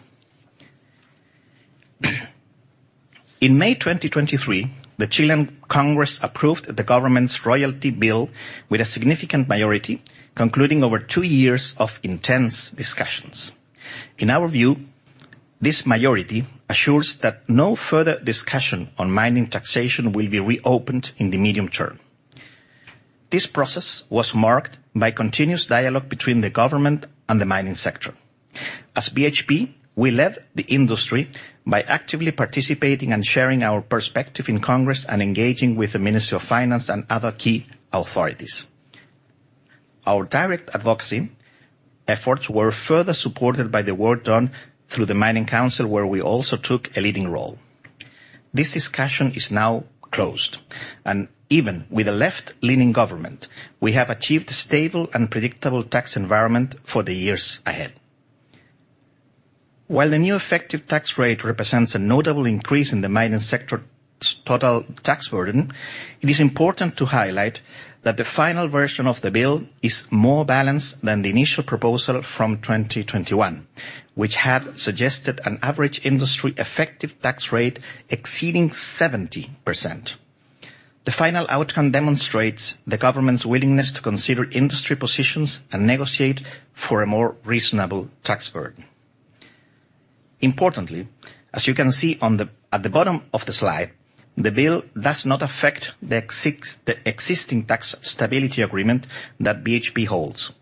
In May 2023, the Chilean Congress approved the government's royalty bill with a significant majority, concluding over two years of intense discussions. In our view, this majority assures that no further discussion on mining taxation will be reopened in the medium term. This process was marked by continuous dialogue between the government and the mining sector. As BHP, we led the industry by actively participating and sharing our perspective in Congress and engaging with the Ministry of Finance and other key authorities. Our direct advocacy efforts were further supported by the work done through the Mining Council, where we also took a leading role. This discussion is now closed, and even with a left-leaning government, we have achieved a stable and predictable tax environment for the years ahead. While the new effective tax rate represents a notable increase in the mining sector's total tax burden, it is important to highlight that the final version of the bill is more balanced than the initial proposal from 2021, which had suggested an average industry effective tax rate exceeding 70%. The final outcome demonstrates the government's willingness to consider industry positions and negotiate for a more reasonable tax burden. Importantly, as you can see at the bottom of the slide, the bill does not affect the existing tax stability agreement that BHP holds.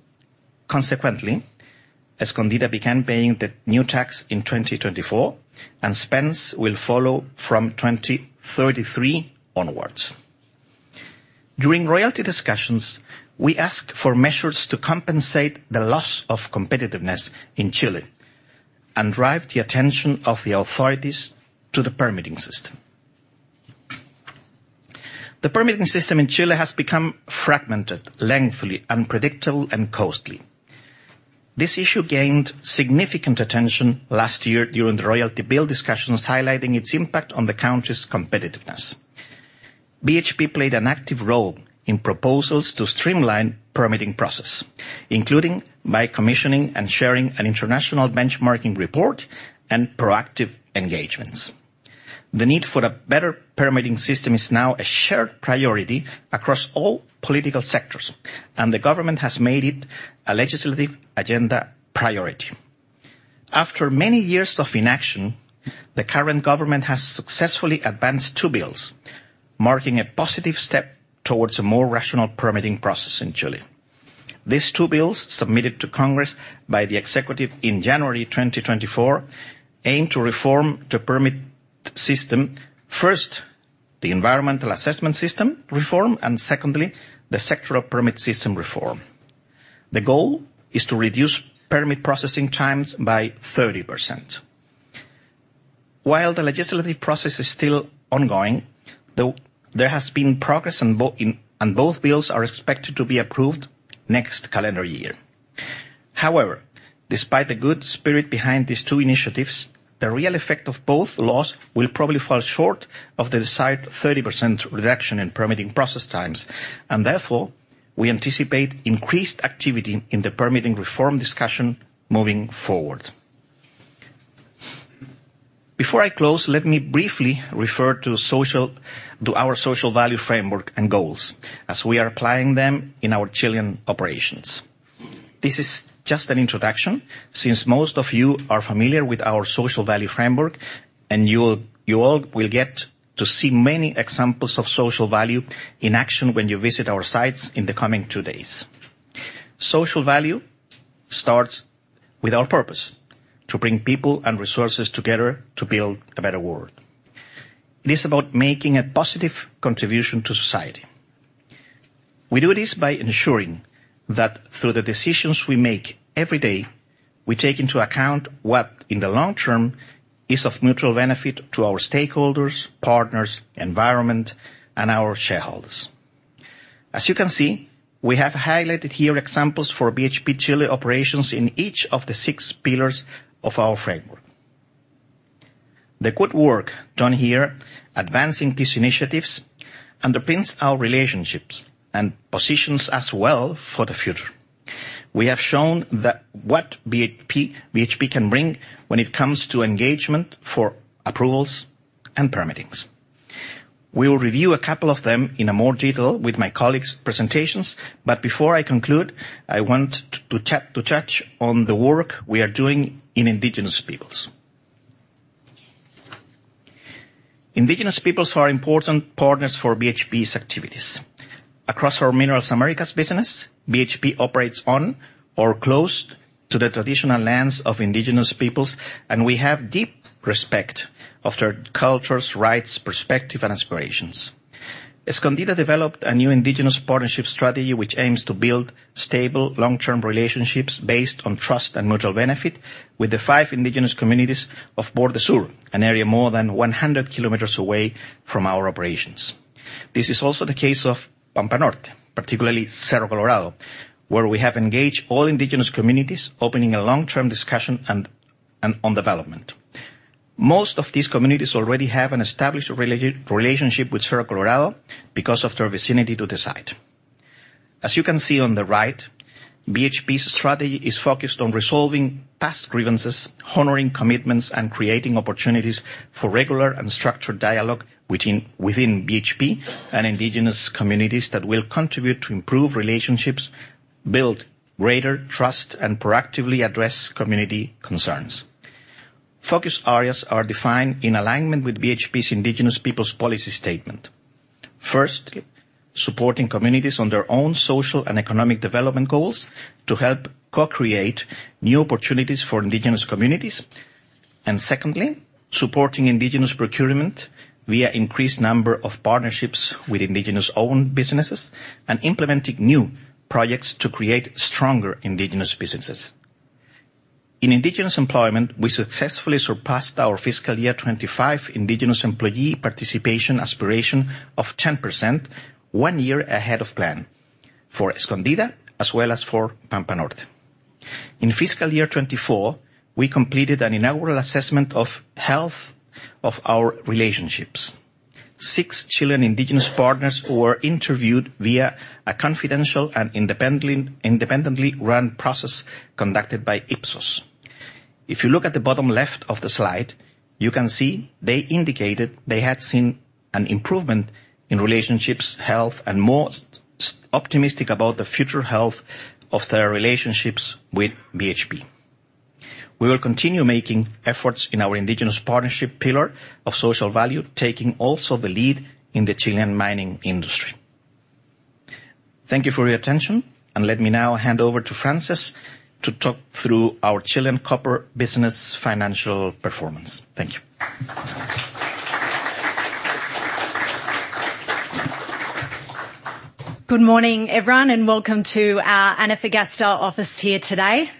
Consequently, Escondida began paying the new tax in 2024, and Spence will follow from 2033 onwards. During royalty discussions, we asked for measures to compensate the loss of competitiveness in Chile and drive the attention of the authorities to the permitting system. The permitting system in Chile has become fragmented, lengthy, unpredictable, and costly. This issue gained significant attention last year during the royalty bill discussions, highlighting its impact on the country's competitiveness. BHP played an active role in proposals to streamline the permitting process, including by commissioning and sharing an international benchmarking report and proactive engagements. The need for a better permitting system is now a shared priority across all political sectors, and the government has made it a legislative agenda priority. After many years of inaction, the current government has successfully advanced two bills, marking a positive step towards a more rational permitting process in Chile. These two bills, submitted to Congress by the executive in January 2024, aim to reform the permit system, first, the environmental assessment system reform, and secondly, the sectoral permit system reform. The goal is to reduce permit processing times by 30%. While the legislative process is still ongoing, there has been progress, and both bills are expected to be approved next calendar year. However, despite the good spirit behind these two initiatives, the real effect of both laws will probably fall short of the desired 30% reduction in permitting process times, and therefore, we anticipate increased activity in the permitting reform discussion moving forward. Before I close, let me briefly refer to our Social Value Framework and goals, as we are applying them in our Chilean operations. This is just an introduction, since most of you are familiar with our Social Value Framework, and you all will get to see many examples of social value in action when you visit our sites in the coming two days. Social value starts with our purpose: to bring people and resources together to build a better world. It is about making a positive contribution to society. We do this by ensuring that through the decisions we make every day, we take into account what, in the long term, is of mutual benefit to our stakeholders, partners, environment, and our shareholders. As you can see, we have highlighted here examples for BHP Chile operations in each of the six pillars of our framework. The good work done here, advancing these initiatives, underpins our relationships and positions us well for the future. We have shown what BHP can bring when it comes to engagement for approvals and permittings. We will review a couple of them in more detail with my colleagues' presentations, but before I conclude, I want to touch on the work we are doing in Indigenous peoples. Indigenous peoples are important partners for BHP's activities. Across our Minerals Americas business, BHP operates on or close to the traditional lands of Indigenous peoples, and we have deep respect for their cultures, rights, perspectives, and aspirations. Escondida developed a new Indigenous partnership strategy, which aims to build stable, long-term relationships based on trust and mutual benefit with the five Indigenous communities of Bordes Sur, an area more than 100 km away from our operations. This is also the case of Pampa Norte, particularly Cerro Colorado, where we have engaged all Indigenous communities, opening a long-term discussion on development. Most of these communities already have an established relationship with Cerro Colorado because of their vicinity to the site. As you can see on the right, BHP's strategy is focused on resolving past grievances, honoring commitments, and creating opportunities for regular and structured dialogue within BHP and Indigenous communities that will contribute to improved relationships, build greater trust, and proactively address community concerns. Focus areas are defined in alignment with BHP's Indigenous peoples' policy statement. First, supporting communities on their own social and economic development goals to help co-create new opportunities for Indigenous communities. Secondly, supporting Indigenous procurement via an increased number of partnerships with Indigenous-owned businesses and implementing new projects to create stronger Indigenous businesses. In Indigenous employment, we successfully surpassed our fiscal year 25 Indigenous employee participation aspiration of 10%, one year ahead of plan, for Escondida as well as for Pampa Norte. In fiscal year 24, we completed an inaugural assessment of health of our relationships. Six Chilean Indigenous partners were interviewed via a confidential and independently run process conducted by Ipsos. If you look at the bottom left of the slide, you can see they indicated they had seen an improvement in relationships, health, and more optimistic about the future health of their relationships with BHP. We will continue making efforts in our Indigenous partnership pillar of social value, taking also the lead in the Chilean mining industry. Thank you for your attention, and let me now hand over to Fran to talk through our Chilean copper business financial performance. Thank you. Good morning, everyone, and welcome to our Antofagasta office here today.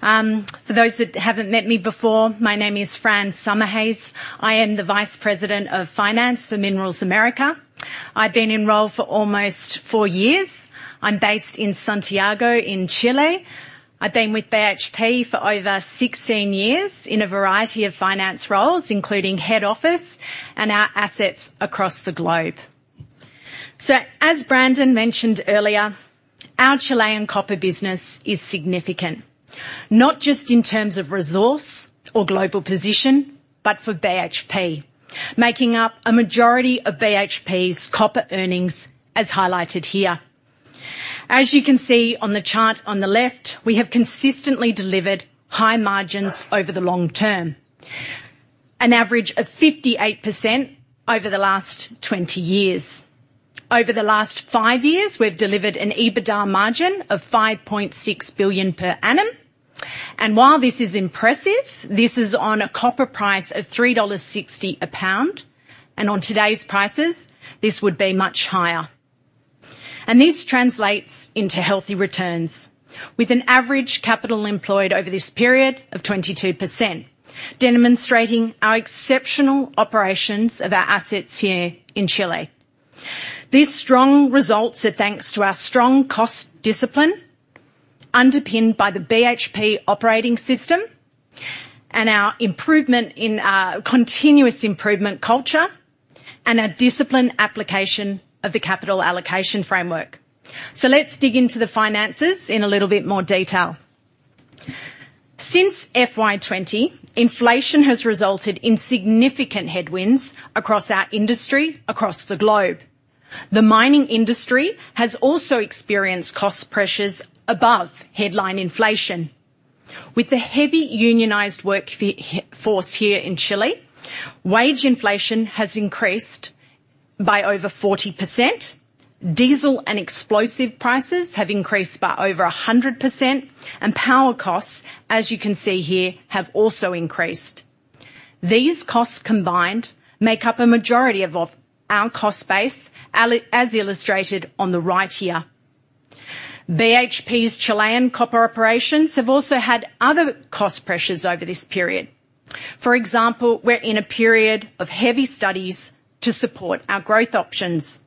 For those that haven't met me before, my name is Fran Summerhayes. I am the Vice President of Finance for Minerals Americas. I've been enrolled for almost four years. I'm based in Santiago in Chile. I've been with BHP for over 16 years in a variety of finance roles, including head office and our assets across the globe. So, as Brandon mentioned earlier, our Chilean copper business is significant, not just in terms of resource or global position, but for BHP, making up a majority of BHP's copper earnings, as highlighted here. As you can see on the chart on the left, we have consistently delivered high margins over the long term, an average of 58% over the last 20 years. Over the last five years, we've delivered an EBITDA margin of $5.6 billion per annum and while this is impressive, this is on a copper price of $3.60 a pound, and on today's prices, this would be much higher. This translates into healthy returns, with an average capital employed over this period of 22%, demonstrating our exceptional operations of our assets here in Chile. These strong results are thanks to our strong cost discipline, underpinned by the BHP Operating System, and our continuous improvement culture, and our disciplined application of the capital allocation framework. Let's dig into the finances in a little bit more detail. Since FY20, inflation has resulted in significant headwinds across our industry across the globe. The mining industry has also experienced cost pressures above headline inflation. With the heavy unionized workforce here in Chile, wage inflation has increased by over 40%. Diesel and explosive prices have increased by over 100%, and power costs, as you can see here, have also increased. These costs combined make up a majority of our cost base, as illustrated on the right here. BHP's Chilean copper operations have also had other cost pressures over this period. For example, we're in a period of heavy studies to support our growth options,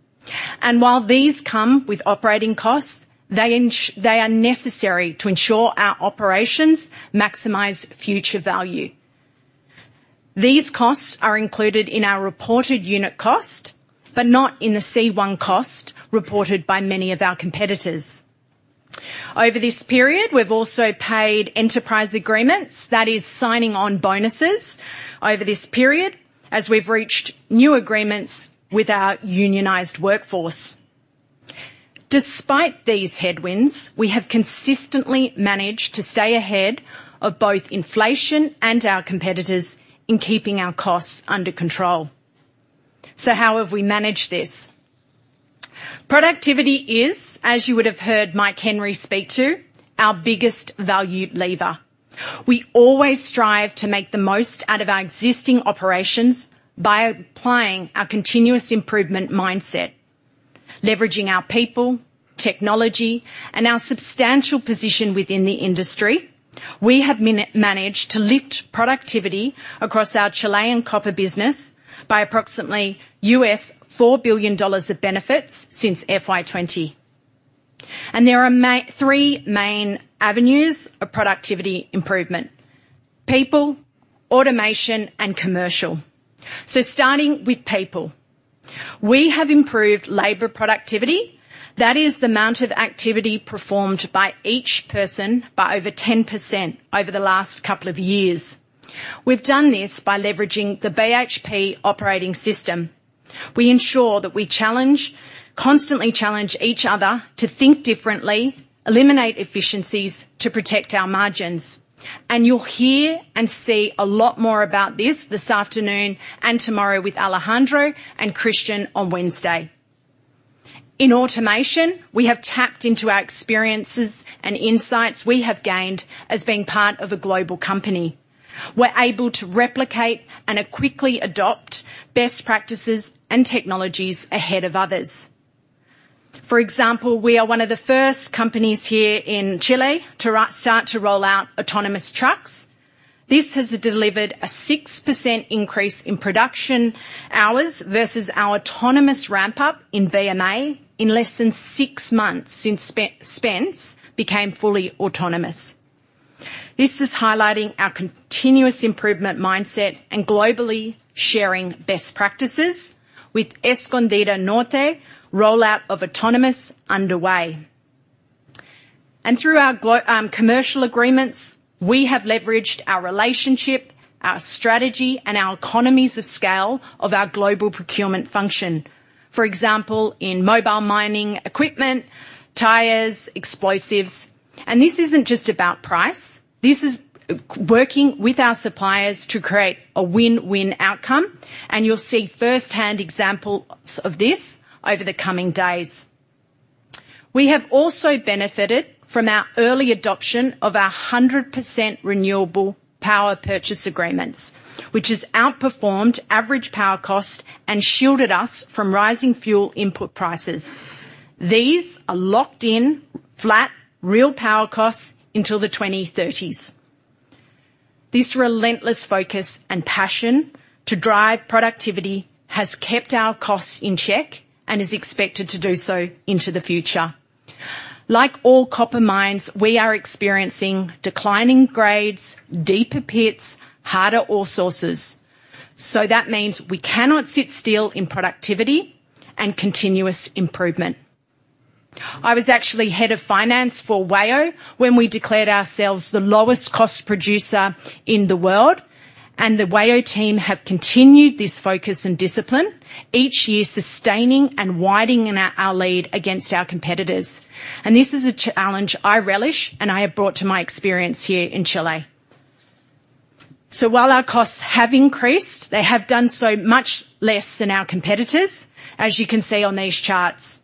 and while these come with operating costs, they are necessary to ensure our operations maximize future value. These costs are included in our reported unit cost, but not in the C1 cost reported by many of our competitors. Over this period, we've also paid enterprise agreements, that is, sign-on bonuses over this period, as we've reached new agreements with our unionized workforce. Despite these headwinds, we have consistently managed to stay ahead of both inflation and our competitors in keeping our costs under control. So how have we managed this? Productivity is, as you would have heard Mike Henry speak to, our biggest value lever. We always strive to make the most out of our existing operations by applying our continuous improvement mindset. Leveraging our people, technology, and our substantial position within the industry, we have managed to lift productivity across our Chilean copper business by approximately $4 billion of benefits since FY20. There are three main avenues of productivity improvement: people, automation, and commercial. So starting with people, we have improved labor productivity, that is the amount of activity performed by each person by over 10% over the last couple of years. We've done this by leveraging the BHP Operating System. We ensure that we constantly challenge each other to think differently, eliminate inefficiencies to protect our margins, and you'll hear and see a lot more about this this afternoon and tomorrow with Alejandro and Christian on Wednesday. In automation, we have tapped into our experiences and insights we have gained as being part of a global company. We're able to replicate and quickly adopt best practices and technologies ahead of others. For example, we are one of the first companies here in Chile to start to roll out autonomous trucks. This has delivered a 6% increase in production hours versus our autonomous ramp-up in BMA in less than six months since Spence became fully autonomous. This is highlighting our continuous improvement mindset and globally sharing best practices, with Escondida Norte rollout of autonomous underway. Through our commercial agreements, we have leveraged our relationship, our strategy, and our economies of scale of our global procurement function. For example, in mobile mining equipment, tires, explosives. This isn't just about price. This is working with our suppliers to create a win-win outcome, and you'll see firsthand examples of this over the coming days. We have also benefited from our early adoption of our 100% renewable power purchase agreements, which has outperformed average power cost and shielded us from rising fuel input prices. These are locked in flat real power costs until the 2030s. This relentless focus and passion to drive productivity has kept our costs in check and is expected to do so into the future. Like all copper mines, we are experiencing declining grades, deeper pits, harder ore sources. So that means we cannot sit still in productivity and continuous improvement. I was actually head of finance for WAIO when we declared ourselves the lowest cost producer in the world, and the WAIO team have continued this focus and discipline, each year sustaining and widening our lead against our competitors. This is a challenge I relish and I have brought to my experience here in Chile. While our costs have increased, they have done so much less than our competitors, as you can see on these charts.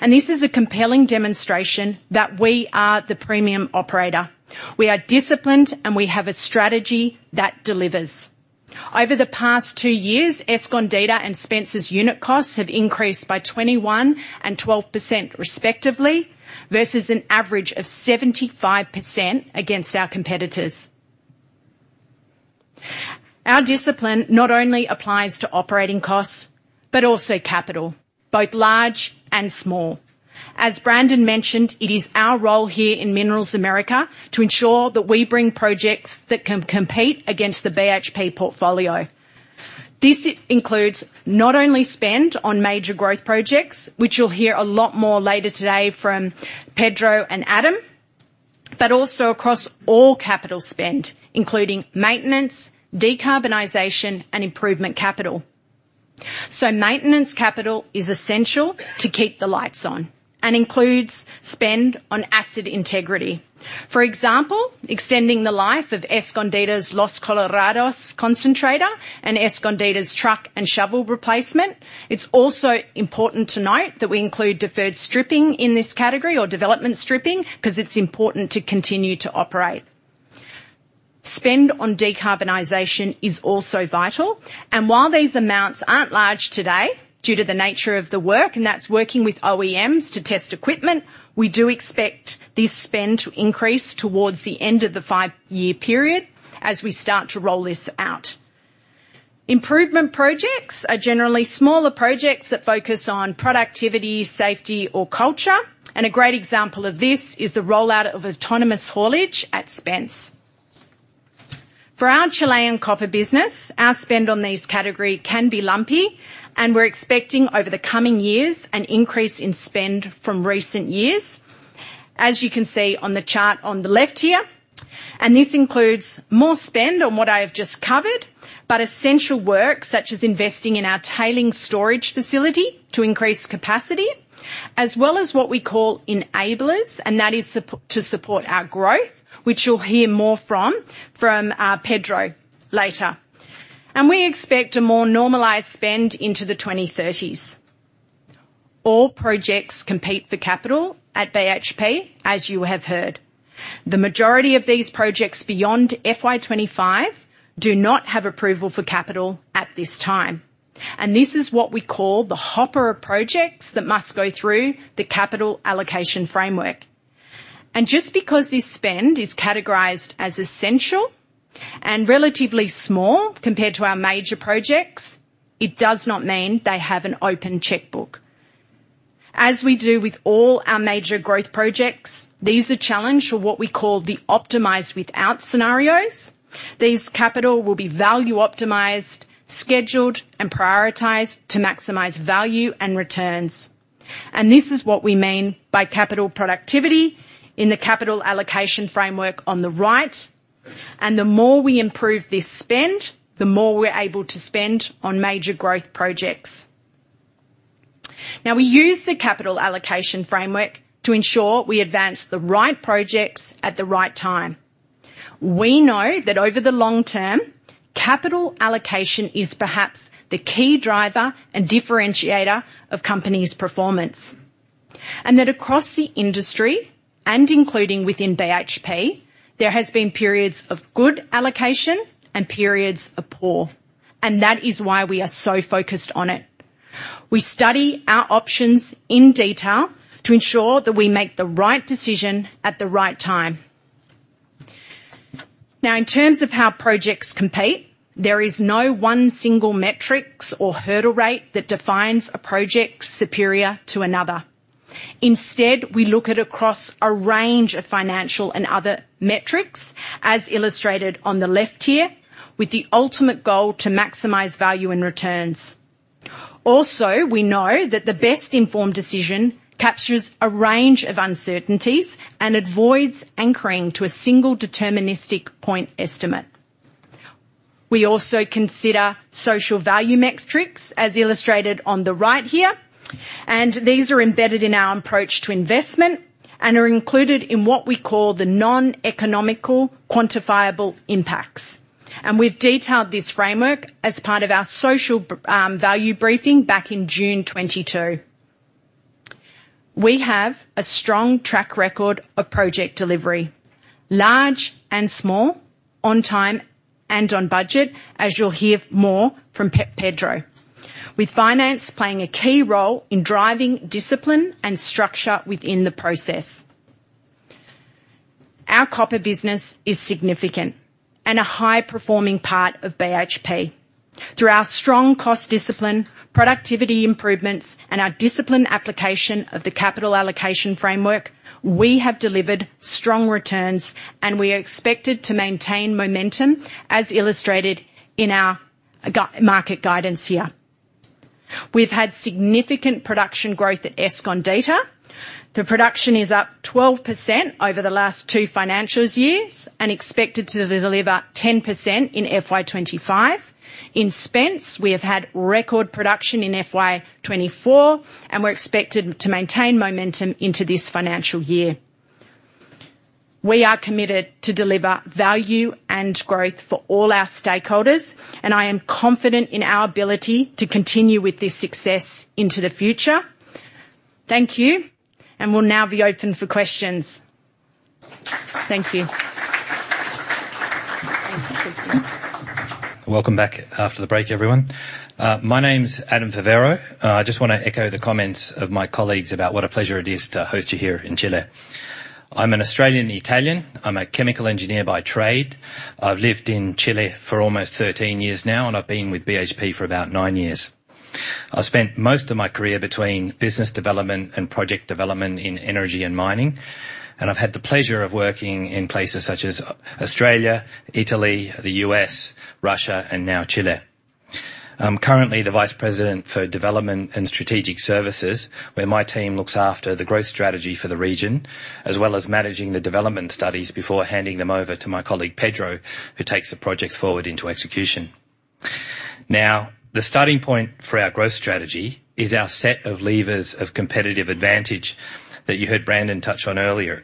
This is a compelling demonstration that we are the premium operator. We are disciplined, and we have a strategy that delivers. Over the past two years, Escondida and Spence's unit costs have increased by 21% and 12% respectively, versus an average of 75% against our competitors. Our discipline not only applies to operating costs, but also capital, both large and small. As Brandon mentioned, it is our role here in Minerals Americas to ensure that we bring projects that can compete against the BHP portfolio. This includes not only spend on major growth projects, which you'll hear a lot more later today from Pedro and Adam, but also across all capital spend, including maintenance, decarbonization, and improvement capital. So maintenance capital is essential to keep the lights on and includes spend on asset integrity. For example, extending the life of Escondida's Los Colorados concentrator and Escondida's truck and shovel replacement. It's also important to note that we include deferred stripping in this category or development stripping because it's important to continue to operate. Spend on decarbonization is also vital and while these amounts aren't large today due to the nature of the work, and that's working with OEMs to test equipment, we do expect this spend to increase towards the end of the five-year period as we start to roll this out. Improvement projects are generally smaller projects that focus on productivity, safety, or culture. A great example of this is the rollout of autonomous haulage at Spence. For our Chilean copper business, our spend on these categories can be lumpy, and we're expecting over the coming years an increase in spend from recent years, as you can see on the chart on the left here. This includes more spend on what I have just covered, but essential work such as investing in our tailings storage facility to increase capacity, as well as what we call enablers, and that is to support our growth, which you'll hear more from Pedro later. We expect a more normalized spend into the 2030s. All projects compete for capital at BHP, as you have heard. The majority of these projects beyond FY25 do not have approval for capital at this time. This is what we call the hopper projects that must go through the Capital Allocation Framework. Just because this spend is categorized as essential and relatively small compared to our major projects, it does not mean they have an open checkbook. As we do with all our major growth projects, these are challenged for what we call the optimized without scenarios. These capital will be value optimized, scheduled, and prioritized to maximize value and returns. This is what we mean by capital productivity in the Capital Allocation Framework on the right. The more we improve this spend, the more we're able to spend on major growth projects. Now, we use the Capital Allocation Framework to ensure we advance the right projects at the right time. We know that over the long term, capital allocation is perhaps the key driver and differentiator of companies' performance, and that across the industry, and including within BHP, there have been periods of good allocation and periods of poor, and that is why we are so focused on it. We study our options in detail to ensure that we make the right decision at the right time. Now, in terms of how projects compete, there is no one single metric or hurdle rate that defines a project superior to another. Instead, we look across a range of financial and other metrics, as illustrated on the left here, with the ultimate goal to maximize value and returns. Also, we know that the best informed decision captures a range of uncertainties and avoids anchoring to a single deterministic point estimate. We also consider social value metrics, as illustrated on the right here, and these are embedded in our approach to investment and are included in what we call the non-economic quantifiable impacts, and we've detailed this framework as part of our social value briefing back in June 2022. We have a strong track record of project delivery, large and small, on time and on budget, as you'll hear more from Pedro. With finance playing a key role in driving discipline and structure within the process. Our copper business is significant and a high-performing part of BHP. Through our strong cost discipline, productivity improvements, and our disciplined application of the Capital Allocation Framework, we have delivered strong returns, and we are expected to maintain momentum, as illustrated in our market guidance here. We've had significant production growth at Escondida. The production is up 12% over the last two financial years and expected to deliver 10% in FY25. In Spence, we have had record production in FY24, and we're expected to maintain momentum into this financial year. We are committed to deliver value and growth for all our stakeholders, and I am confident in our ability to continue with this success into the future. Thank you, and we'll now be open for questions. Thank you. Welcome back after the break, everyone. My name's Adam Favero. I just want to echo the comments of my colleagues about what a pleasure it is to host you here in Chile. I'm an Australian Italian. I'm a chemical engineer by trade. I've lived in Chile for almost 13 years now, and I've been with BHP for about 9 years. I've spent most of my career between business development and project development in energy and mining, and I've had the pleasure of working in places such as Australia, Italy, the U.S., Russia, and now Chile. I'm currently the Vice President for Development and Strategic Services, where my team looks after the growth strategy for the region, as well as managing the development studies before handing them over to my colleague Pedro, who takes the projects forward into execution. Now, the starting point for our growth strategy is our set of levers of competitive advantage that you heard Brandon touch on earlier.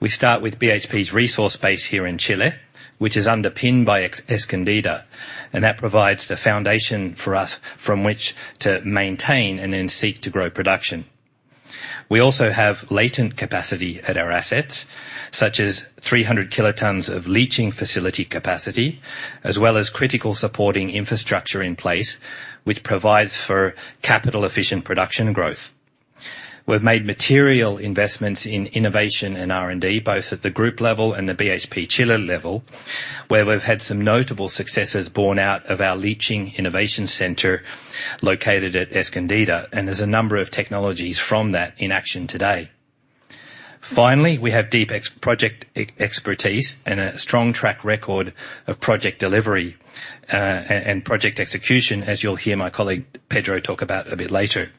We start with BHP's resource base here in Chile, which is underpinned by Escondida, and that provides the foundation for us from which to maintain and then seek to grow production. We also have latent capacity at our assets, such as 300 kilotons of leaching facility capacity, as well as critical supporting infrastructure in place, which provides for capital-efficient production growth. We've made material investments in innovation and R&D, both at the group level and the BHP Chile level, where we've had some notable successes born out of our leaching innovation center located at Escondida, and there's a number of technologies from that in action today. Finally, we have deep project expertise and a strong track record of project delivery and project execution, as you'll hear my colleague Pedro talk about a bit later.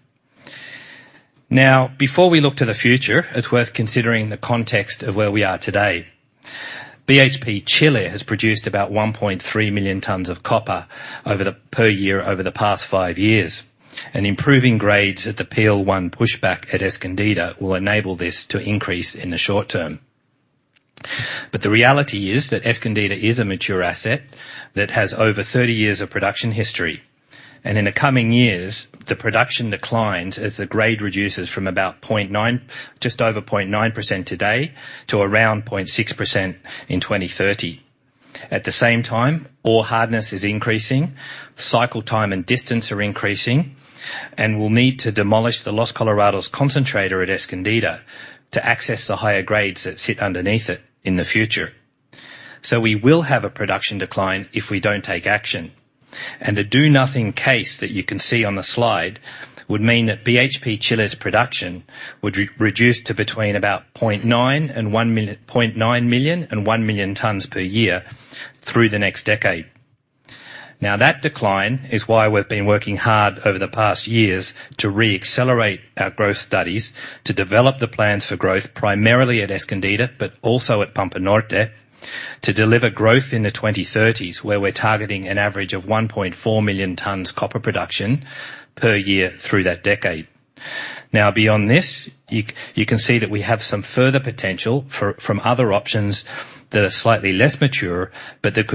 Now, before we look to the future, it's worth considering the context of where we are today. BHP Chile has produced about 1.3 million tons of copper per year over the past five years, and improving grades at the PL1 pushback at Escondida will enable this to increase in the short term, but the reality is that Escondida is a mature asset that has over 30 years of production history, and in the coming years, the production declines as the grade reduces from just over 0.9% today to around 0.6% in 2030. At the same time, ore hardness is increasing, cycle time and distance are increasing, and we'll need to demolish the Los Colorados concentrator at Escondida to access the higher grades that sit underneath it in the future, so we will have a production decline if we don't take action. The do-nothing case that you can see on the slide would mean that BHP Chile's production would reduce to between about 0.9 million and 1 million tons per year through the next decade. Now, that decline is why we've been working hard over the past years to re-accelerate our growth studies, to develop the plans for growth primarily at Escondida, but also at Pampa Norte, to deliver growth in the 2030s, where we're targeting an average of 1.4 million tons copper production per year through that decade. Now, beyond this, you can see that we have some further potential from other options that are slightly less mature, but that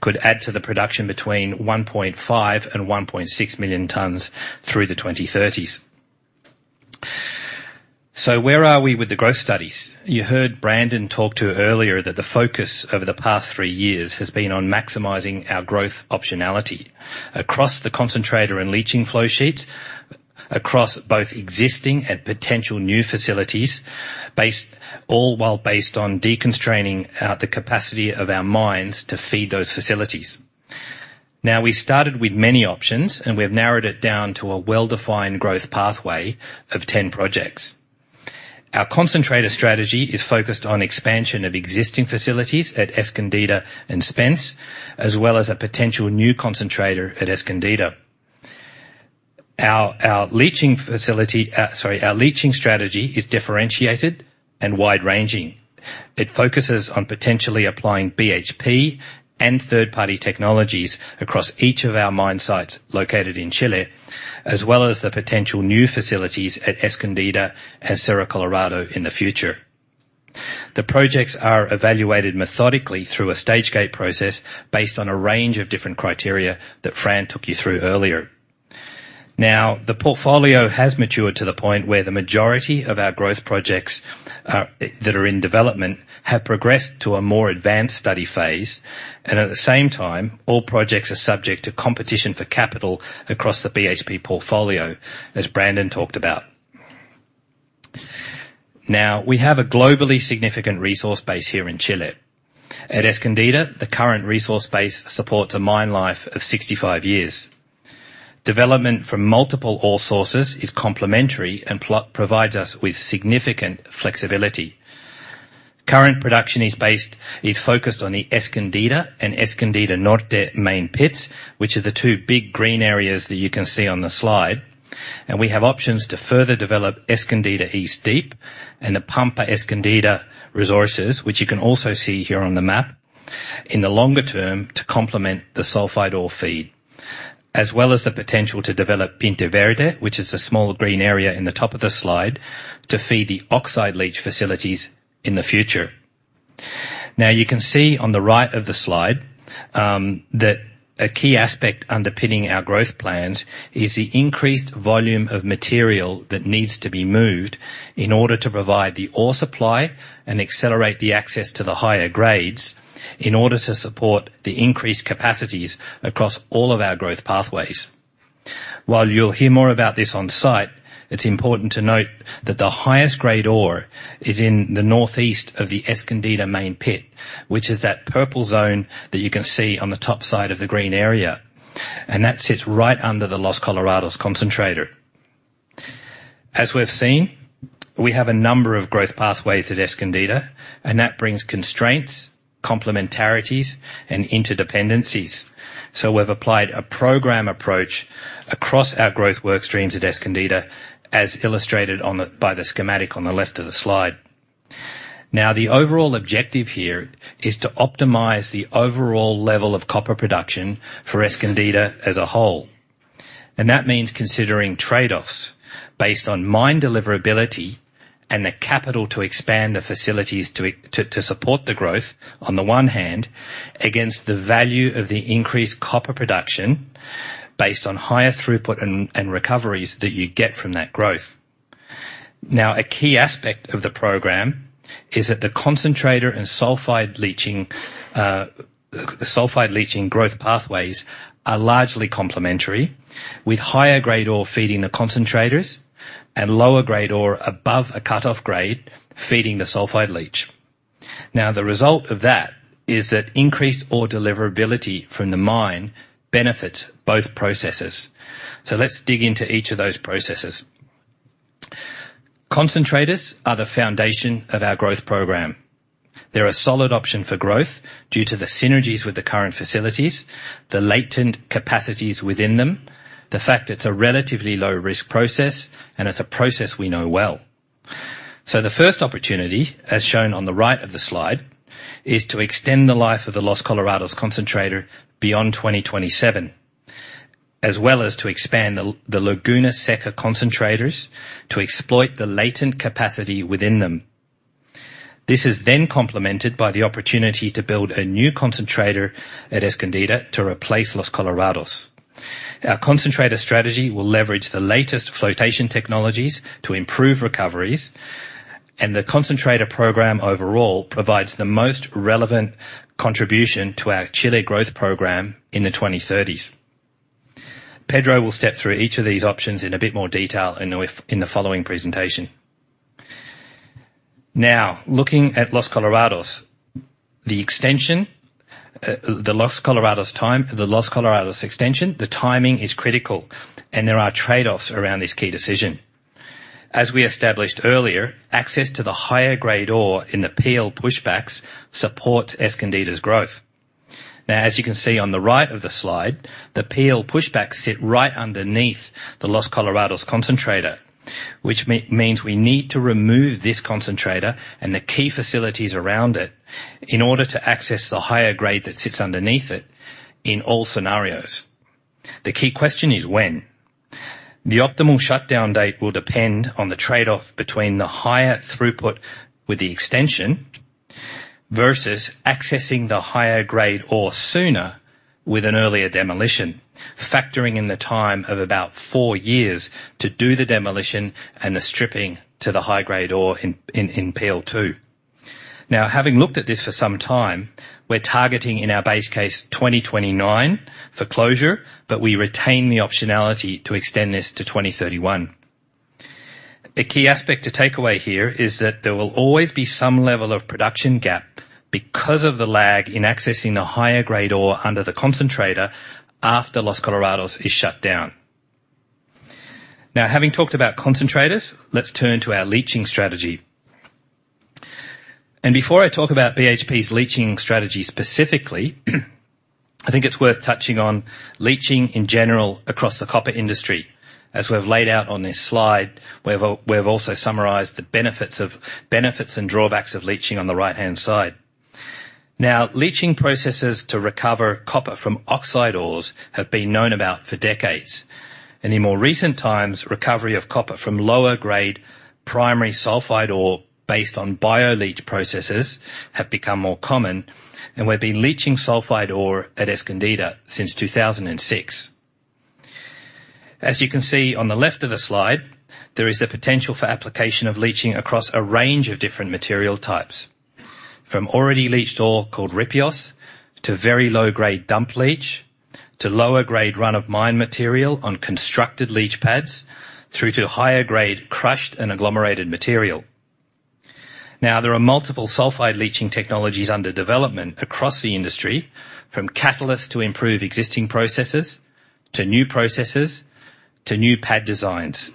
could add to the production between 1.5 and 1.6 million tons through the 2030s. So where are we with the growth studies? You heard Brandon talk to you earlier that the focus over the past three years has been on maximizing our growth optionality across the concentrator and leaching flow sheet, across both existing and potential new facilities, all while based on deconstraining the capacity of our mines to feed those facilities. Now, we started with many options, and we've narrowed it down to a well-defined growth pathway of 10 projects. Our concentrator strategy is focused on expansion of existing facilities at Escondida and Spence, as well as a potential new concentrator at Escondida. Our leaching strategy is differentiated and wide-ranging. It focuses on potentially applying BHP and third-party technologies across each of our mine sites located in Chile, as well as the potential new facilities at Escondida and Cerro Colorado in the future. The projects are evaluated methodically through a stage gate process based on a range of different criteria that Fran took you through earlier. Now, the portfolio has matured to the point where the majority of our growth projects that are in development have progressed to a more advanced study phase, and at the same time, all projects are subject to competition for capital across the BHP portfolio, as Brandon talked about. Now, we have a globally significant resource base here in Chile. At Escondida, the current resource base supports a mine life of 65 years. Development from multiple ore sources is complementary and provides us with significant flexibility. Current production is focused on the Escondida and Escondida Norte main pits, which are the two big green areas that you can see on the slide. We have options to further develop Escondida East Deep and the Pampa Escondida resources, which you can also see here on the map, in the longer term to complement the sulfide ore feed, as well as the potential to develop Pinta Verde, which is a small green area in the top of the slide to feed the oxide leach facilities in the future. Now, you can see on the right of the slide that a key aspect underpinning our growth plans is the increased volume of material that needs to be moved in order to provide the ore supply and accelerate the access to the higher grades in order to support the increased capacities across all of our growth pathways. While you'll hear more about this on site, it's important to note that the highest grade ore is in the northeast of the Escondida main pit, which is that purple zone that you can see on the top side of the green area, and that sits right under the Los Colorados concentrator. As we've seen, we have a number of growth pathways at Escondida, and that brings constraints, complementarities, and interdependencies. So we've applied a program approach across our growth workstreams at Escondida, as illustrated by the schematic on the left of the slide. Now, the overall objective here is to optimize the overall level of copper production for Escondida as a whole. That means considering trade-offs based on mine deliverability and the capital to expand the facilities to support the growth, on the one hand, against the value of the increased copper production based on higher throughput and recoveries that you get from that growth. Now, a key aspect of the program is that the concentrator and sulfide leaching growth pathways are largely complementary, with higher grade ore feeding the concentrators and lower grade ore above a cutoff grade feeding the sulfide leach. Now, the result of that is that increased ore deliverability from the mine benefits both processes. So let's dig into each of those processes. Concentrators are the foundation of our growth program. They're a solid option for growth due to the synergies with the current facilities, the latent capacities within them, the fact it's a relatively low-risk process, and it's a process we know well. So the first opportunity, as shown on the right of the slide, is to extend the life of the Los Colorados concentrator beyond 2027, as well as to expand the Laguna Seca concentrators to exploit the latent capacity within them. This is then complemented by the opportunity to build a new concentrator at Escondida to replace Los Colorados. Our concentrator strategy will leverage the latest flotation technologies to improve recoveries, and the concentrator program overall provides the most relevant contribution to our Chile growth program in the 2030s. Pedro will step through each of these options in a bit more detail in the following presentation. Now, looking at Los Colorados, the Los Colorados extension, the timing is critical, and there are trade-offs around this key decision. As we established earlier, access to the higher-grade ore in the PIL pushbacks supports Escondida's growth. Now, as you can see on the right of the slide, the PIL pushbacks sit right underneath the Los Colorados concentrator, which means we need to remove this concentrator and the key facilities around it in order to access the higher grade that sits underneath it in all scenarios. The key question is when. The optimal shutdown date will depend on the trade-off between the higher throughput with the extension versus accessing the higher-grade or sooner with an earlier demolition, factoring in the time of about four years to do the demolition and the stripping to the high-grade ore in PL2. Now, having looked at this for some time, we're targeting in our base case 2029 for closure, but we retain the optionality to extend this to 2031. A key aspect to take away here is that there will always be some level of production gap because of the lag in accessing the higher grade ore under the concentrator after Los Colorados is shut down. Now, having talked about concentrators, let's turn to our leaching strategy, and before I talk about BHP's leaching strategy specifically, I think it's worth touching on leaching in general across the copper industry. As we've laid out on this slide, we've also summarized the benefits and drawbacks of leaching on the right-hand side. Now, leaching processes to recover copper from oxide ores have been known about for decades, and in more recent times, recovery of copper from lower grade primary sulfide ore based on bioleach processes has become more common, and we've been leaching sulfide ore at Escondida since 2006. As you can see on the left of the slide, there is the potential for application of leaching across a range of different material types, from already leached ore called ripios to very low-grade dump leach to lower-grade run-of-mine material on constructed leach pads through to higher-grade crushed and agglomerated material. Now, there are multiple sulfide leaching technologies under development across the industry, from catalysts to improve existing processes to new processes to new pad designs.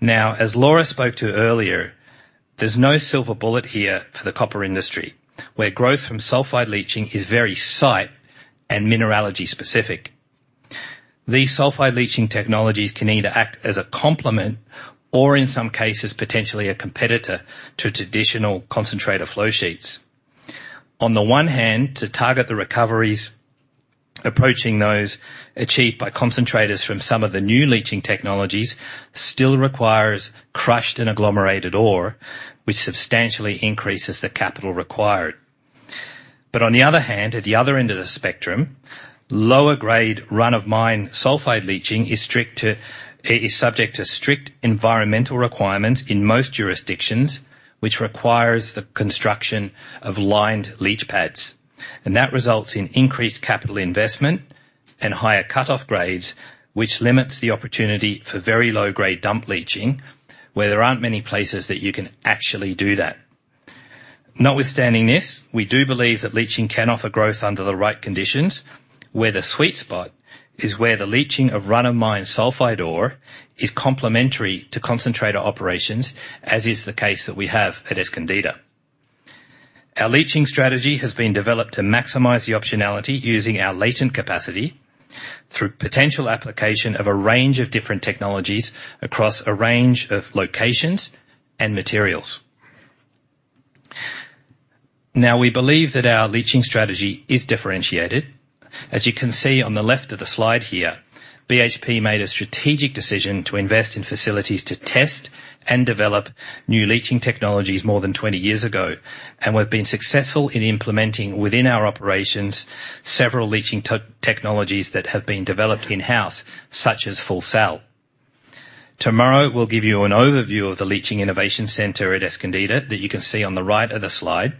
Now, as Laura spoke to earlier, there's no silver bullet here for the copper industry, where growth from sulfide leaching is very site and mineralogy-specific. These sulfide leaching technologies can either act as a complement or, in some cases, potentially a competitor to traditional concentrator flow sheets. On the one hand, to target the recoveries approaching those achieved by concentrators from some of the new leaching technologies still requires crushed and agglomerated ore, which substantially increases the capital required. But on the other hand, at the other end of the spectrum, lower-grade run-of-mine sulfide leaching is subject to strict environmental requirements in most jurisdictions, which requires the construction of lined leach pads. That results in increased capital investment and higher cutoff grades, which limits the opportunity for very low-grade dump leaching, where there aren't many places that you can actually do that. Notwithstanding this, we do believe that leaching can offer growth under the right conditions, where the sweet spot is where the leaching of run-of-mine sulfide ore is complementary to concentrator operations, as is the case that we have at Escondida. Our leaching strategy has been developed to maximize the optionality using our latent capacity through potential application of a range of different technologies across a range of locations and materials. Now, we believe that our leaching strategy is differentiated. As you can see on the left of the slide here, BHP made a strategic decision to invest in facilities to test and develop new leaching technologies more than 20 years ago, and we've been successful in implementing within our operations several leaching technologies that have been developed in-house, such as FullSaL. Tomorrow, we'll give you an overview of the Leaching Innovation Center at Escondida that you can see on the right of the slide,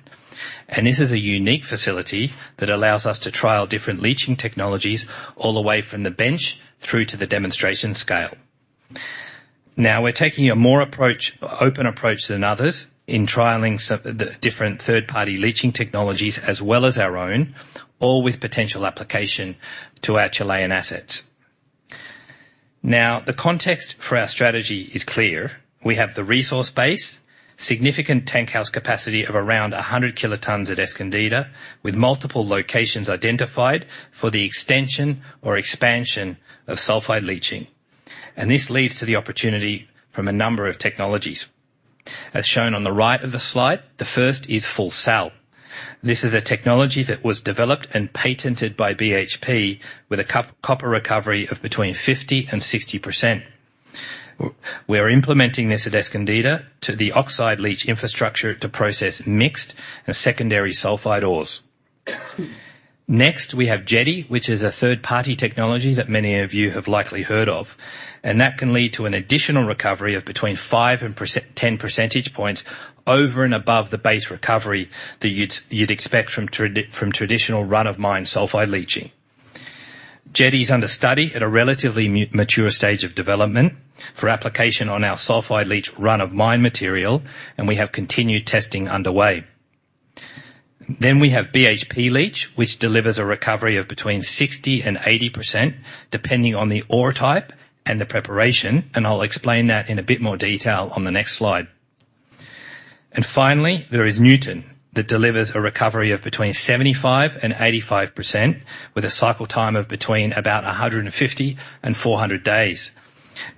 and this is a unique facility that allows us to trial different leaching technologies all the way from the bench through to the demonstration scale. Now, we're taking a more open approach than others in trialing the different third-party leaching technologies as well as our own, all with potential application to our Chilean assets. Now, the context for our strategy is clear. We have the resource base, significant tankhouse capacity of around 100 kilotons at Escondida, with multiple locations identified for the extension or expansion of sulfide leaching, and this leads to the opportunity from a number of technologies. As shown on the right of the slide, the first is FullSaL. This is a technology that was developed and patented by BHP with a copper recovery of between 50% and 60%. We're implementing this at Escondida to the oxide leach infrastructure to process mixed and secondary sulfide ores. Next, we have Jetti, which is a third-party technology that many of you have likely heard of, and that can lead to an additional recovery of between 5-10 percentage points over and above the base recovery that you'd expect from traditional run-of-mine sulfide leaching. Jetti is under study at a relatively mature stage of development for application on our sulfide leach run-of-mine material, and we have continued testing underway. Then we have BHP Leach, which delivers a recovery of between 60%-80% depending on the ore type and the preparation, and I'll explain that in a bit more detail on the next slide. Finally, there is Nuton that delivers a recovery of between 75%-85% with a cycle time of between about 150-400 days.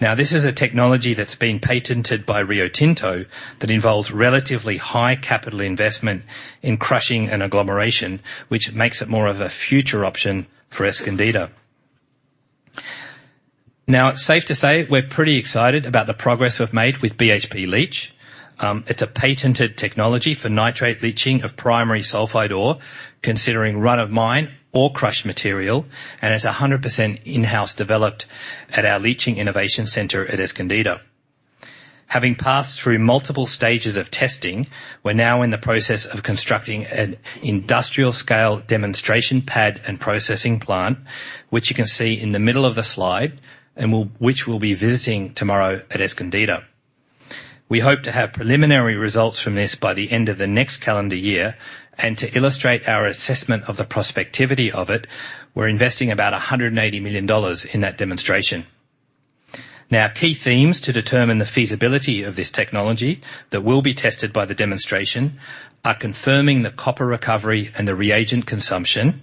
Now, this is a technology that's been patented by Rio Tinto that involves relatively high capital investment in crushing and agglomeration, which makes it more of a future option for Escondida. Now, it's safe to say we're pretty excited about the progress we've made with BHP Leach. It's a patented technology for nitrate leaching of primary sulfide ore, considering run-of-mine or crushed material, and it's 100% in-house developed at our Leaching Innovation Center at Escondida. Having passed through multiple stages of testing, we're now in the process of constructing an industrial-scale demonstration pad and processing plant, which you can see in the middle of the slide, and which we'll be visiting tomorrow at Escondida. We hope to have preliminary results from this by the end of the next calendar year, and to illustrate our assessment of the prospectivity of it, we're investing about $180 million in that demonstration. Now, key themes to determine the feasibility of this technology that will be tested by the demonstration are confirming the copper recovery and the reagent consumption,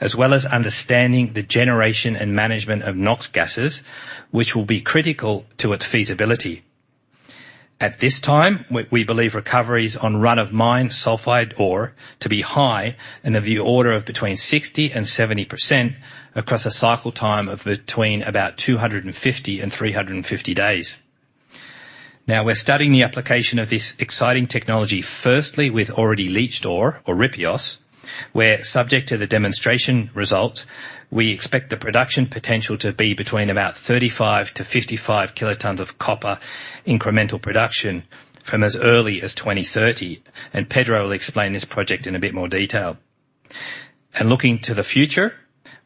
as well as understanding the generation and management of NOx gases, which will be critical to its feasibility. At this time, we believe recoveries on run-of-mine sulfide ore to be high in the order of between 60% and 70% across a cycle time of between about 250 and 350 days. Now, we're studying the application of this exciting technology, firstly with already leached ore, or ripios, where, subject to the demonstration results, we expect the production potential to be between about 35-55 kilotons of copper incremental production from as early as 2030, and Pedro will explain this project in a bit more detail. Looking to the future,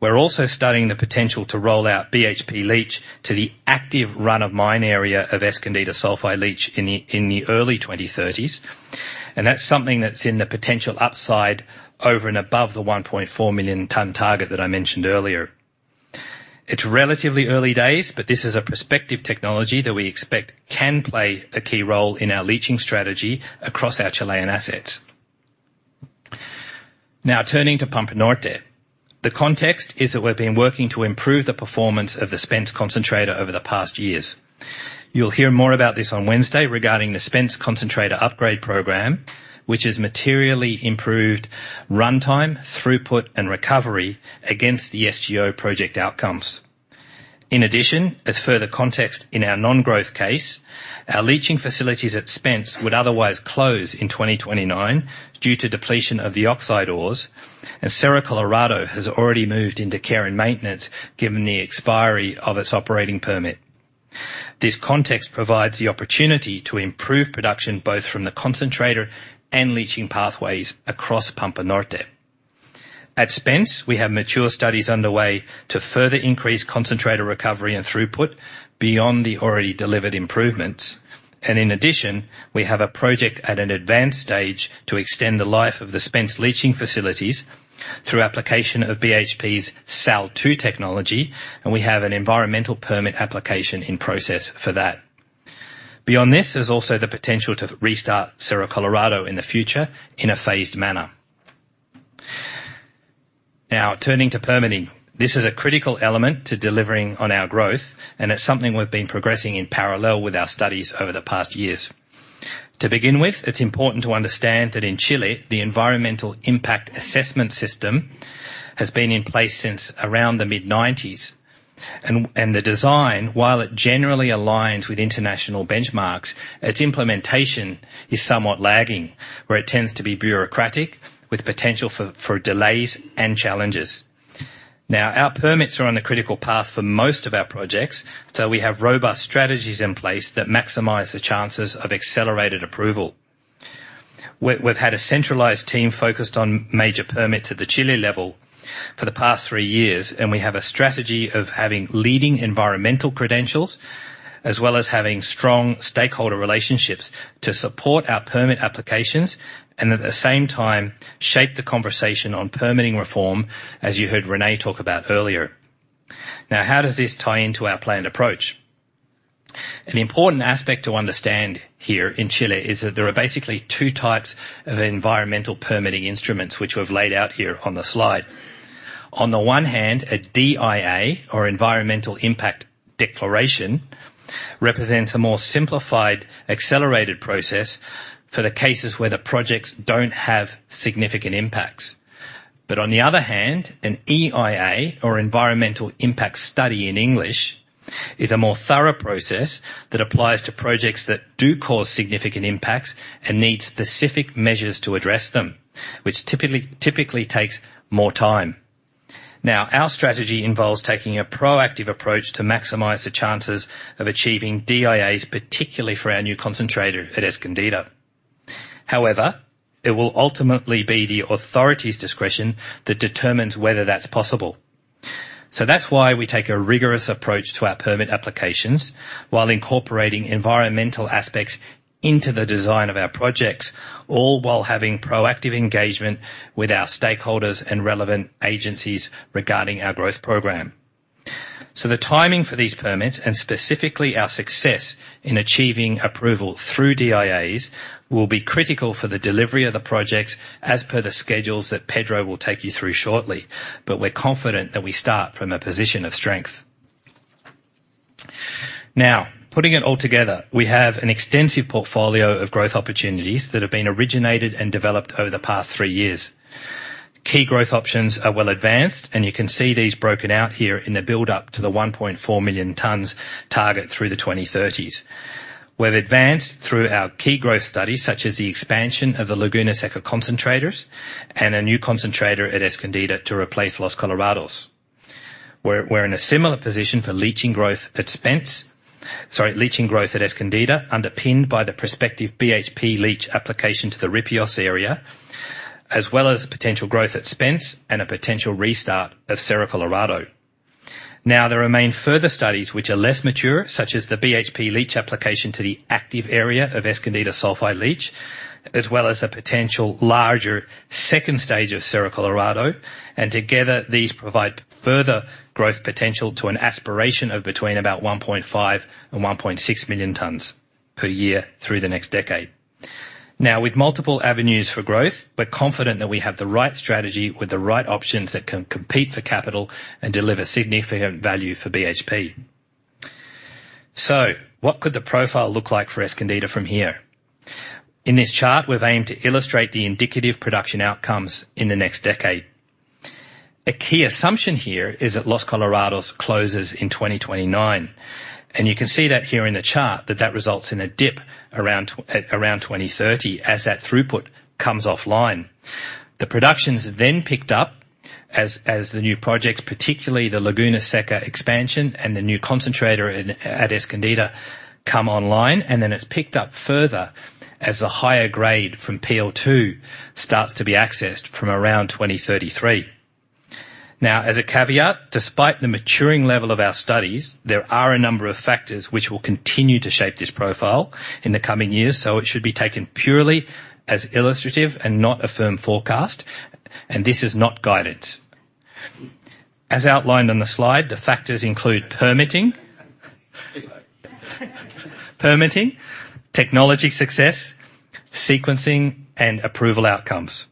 we're also studying the potential to roll out BHP Leach to the active run-of-mine area of Escondida sulfide leach in the early 2030s, and that's something that's in the potential upside over and above the 1.4 million-ton target that I mentioned earlier. It's relatively early days, but this is a prospective technology that we expect can play a key role in our leaching strategy across our Chilean assets. Now, turning to Pampa Norte, the context is that we've been working to improve the performance of Spence Concentrator over the past years. You'll hear more about this on Wednesday regarding Spence Concentrator upgrade program, which has materially improved runtime, throughput, and recovery against the SGO project outcomes. In addition, as further context in our non-growth case, our leaching facilities at Spence would otherwise close in 2029 due to depletion of the oxide ores, and Cerro Colorado has already moved into care and maintenance given the expiry of its operating permit. This context provides the opportunity to improve production both from the concentrator and leaching pathways across Pampa Norte. At Spence, we have mature studies underway to further increase concentrator recovery and throughput beyond the already delivered improvements. In addition, we have a project at an advanced stage to extend the life of the Spence leaching facilities through application of BHP's SAL2 technology, and we have an environmental permit application in process for that. Beyond this, there's also the potential to restart Cerro Colorado in the future in a phased manner. Now, turning to permitting, this is a critical element to delivering on our growth, and it's something we've been progressing in parallel with our studies over the past years. To begin with, it's important to understand that in Chile, the Environmental Impact Assessment System has been in place since around the mid-1990s, and the design, while it generally aligns with international benchmarks, its implementation is somewhat lagging, where it tends to be bureaucratic with potential for delays and challenges. Now, our permits are on a critical path for most of our projects, so we have robust strategies in place that maximize the chances of accelerated approval. We've had a centralized team focused on major permits at the Chile level for the past three years, and we have a strategy of having leading environmental credentials as well as having strong stakeholder relationships to support our permit applications and, at the same time, shape the conversation on permitting reform, as you heard René talk about earlier. Now, how does this tie into our planned approach? An important aspect to understand here in Chile is that there are basically two types of environmental permitting instruments which we've laid out here on the slide. On the one hand, a DIA, or Environmental Impact Declaration, represents a more simplified, accelerated process for the cases where the projects don't have significant impacts. But on the other hand, an EIA, or Environmental Impact Study in English, is a more thorough process that applies to projects that do cause significant impacts and need specific measures to address them, which typically takes more time. Now, our strategy involves taking a proactive approach to maximize the chances of achieving DIAs, particularly for our new concentrator at Escondida. However, it will ultimately be the authority's discretion that determines whether that's possible. So that's why we take a rigorous approach to our permit applications while incorporating environmental aspects into the design of our projects, all while having proactive engagement with our stakeholders and relevant agencies regarding our growth program. So the timing for these permits and specifically our success in achieving approval through DIAs will be critical for the delivery of the projects as per the schedules that Pedro will take you through shortly, but we're confident that we start from a position of strength. Now, putting it all together, we have an extensive portfolio of growth opportunities that have been originated and developed over the past three years. Key growth options are well advanced, and you can see these broken out here in the build-up to the 1.4 million tons target through the 2030s. We've advanced through our key growth studies, such as the expansion of the Laguna Seca concentrators and a new concentrator at Escondida to replace Los Colorados. We're in a similar position for leaching growth at Spence, sorry, leaching growth at Escondida, underpinned by the prospective BHP Leach application to the ripios area, as well as potential growth at Spence and a potential restart of Cerro Colorado. Now, there remain further studies which are less mature, such as the BHP Leach application to the active area of Escondida sulfide leach, as well as a potential larger second stage of Cerro Colorado, and together, these provide further growth potential to an aspiration of between about 1.5 and 1.6 million tons per year through the next decade. Now, with multiple avenues for growth, we're confident that we have the right strategy with the right options that can compete for capital and deliver significant value for BHP. So, what could the profile look like for Escondida from here? In this chart, we've aimed to illustrate the indicative production outcomes in the next decade. A key assumption here is that Los Colorados closes in 2029, and you can see that here in the chart that results in a dip around 2030 as that throughput comes offline. The productions then picked up as the new projects, particularly the Laguna Seca expansion and the new concentrator at Escondida, come online, and then it's picked up further as the higher grade from PL2 starts to be accessed from around 2033. Now, as a caveat, despite the maturing level of our studies, there are a number of factors which will continue to shape this profile in the coming years, so it should be taken purely as illustrative and not a firm forecast, and this is not guidance. As outlined on the slide, the factors include permitting, technology success, sequencing, and approval outcomes.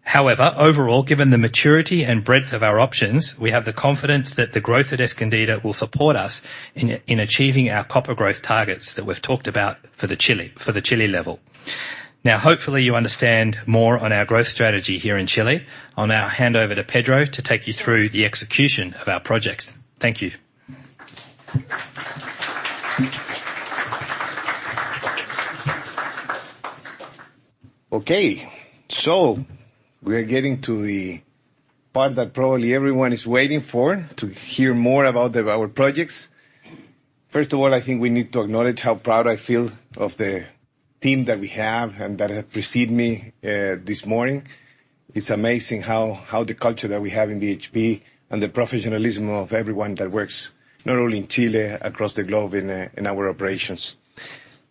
However, overall, given the maturity and breadth of our options, we have the confidence that the growth at Escondida will support us in achieving our copper growth targets that we've talked about for the Chile level. Now, hopefully, you understand more on our growth strategy here in Chile. I'll now hand over to Pedro to take you through the execution of our projects. Thank you. Okay. So we're getting to the part that probably everyone is waiting for, to hear more about our projects. First of all, I think we need to acknowledge how proud I feel of the team that we have and that have preceded me this morning. It's amazing how the culture that we have in BHP and the professionalism of everyone that works not only in Chile, across the globe in our operations.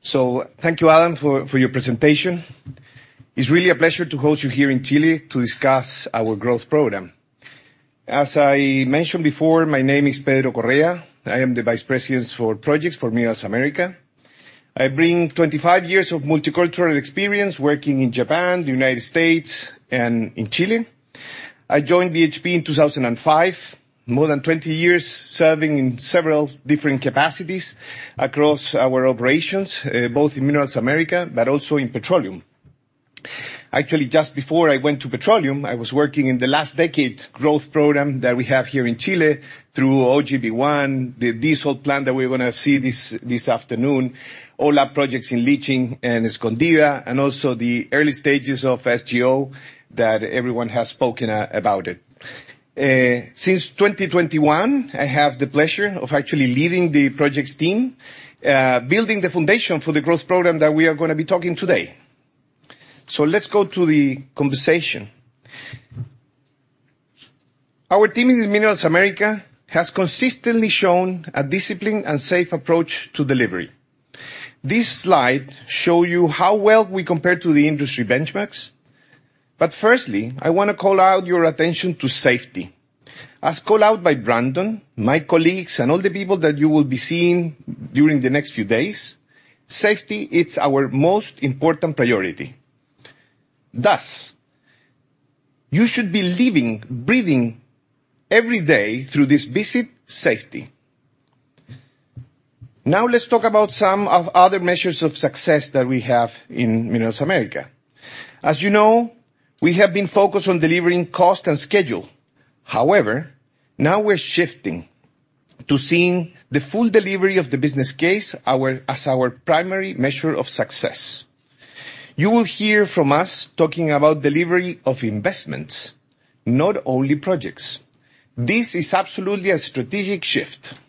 So thank you, Adam, for your presentation. It's really a pleasure to host you here in Chile to discuss our growth program. As I mentioned before, my name is Pedro Correa. I am the Vice President for Projects for Minerals Americas. I bring 25 years of multicultural experience working in Japan, the United States, and in Chile. I joined BHP in 2005, more than 20 years serving in several different capacities across our operations, both in Minerals Americas but also in petroleum. Actually, just before I went to petroleum, I was working in the last decade growth program that we have here in Chile through OGP1, the desal plant that we're going to see this afternoon, all our projects in leaching and Escondida, and also the early stages of SGO that everyone has spoken about. Since 2021, I have the pleasure of actually leading the projects team, building the foundation for the growth program that we are going to be talking about today. So let's go to the conversation. Our team in Minerals Americas has consistently shown a disciplined and safe approach to delivery. This slide shows you how well we compare to the industry benchmarks, but firstly, I want to call out your attention to safety. As called out by Brandon, my colleagues, and all the people that you will be seeing during the next few days, safety is our most important priority. Thus, you should be living, breathing every day through this visit: safety. Now, let's talk about some of the other measures of success that we have in Minerals Americas. As you know, we have been focused on delivering cost and schedule. However, now we're shifting to seeing the full delivery of the business case as our primary measure of success. You will hear from us talking about delivery of investments, not only projects. This is absolutely a strategic shift.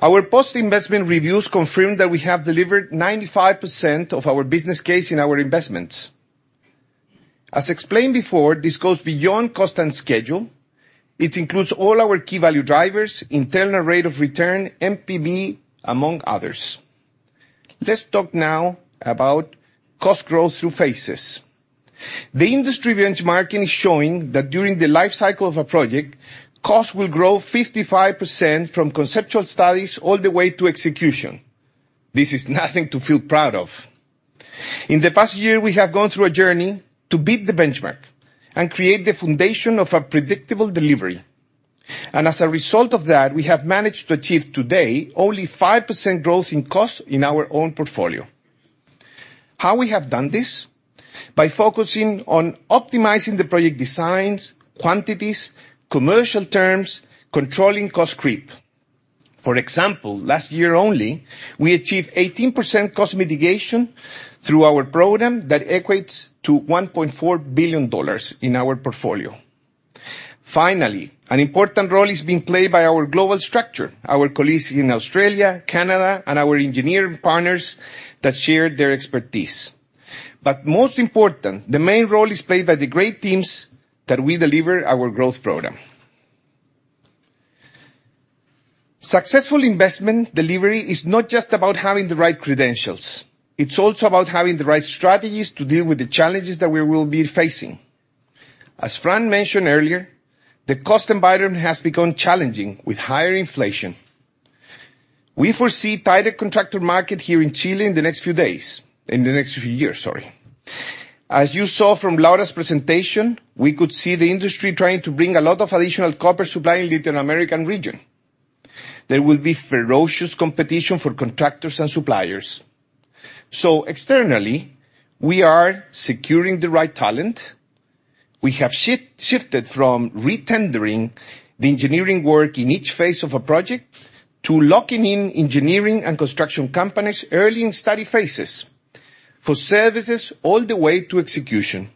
Our post-investment reviews confirm that we have delivered 95% of our business case in our investments. As explained before, this goes beyond cost and schedule. It includes all our key value drivers, internal rate of return, NPV, among others. Let's talk now about cost growth through phases. The industry benchmarking is showing that during the life cycle of a project, costs will grow 55% from conceptual studies all the way to execution. This is nothing to feel proud of. In the past year, we have gone through a journey to beat the benchmark and create the foundation of a predictable delivery. As a result of that, we have managed to achieve today only 5% growth in cost in our own portfolio. How we have done this? By focusing on optimizing the project designs, quantities, commercial terms, controlling cost creep. For example, last year only, we achieved 18% cost mitigation through our program that equates to $1.4 billion in our portfolio. Finally, an important role is being played by our global structure, our colleagues in Australia, Canada, and our engineering partners that share their expertise. Most important, the main role is played by the great teams that we deliver our growth program. Successful investment delivery is not just about having the right credentials. It's also about having the right strategies to deal with the challenges that we will be facing. As Fran mentioned earlier, the cost environment has become challenging with higher inflation. We foresee a tighter contractor market here in Chile in the next few days, in the next few years, sorry. As you saw from Laura's presentation, we could see the industry trying to bring a lot of additional copper supply in the Latin American region. There will be ferocious competition for contractors and suppliers. So externally, we are securing the right talent. We have shifted from re-tendering the engineering work in each phase of a project to locking in engineering and construction companies early in study phases for services all the way to execution.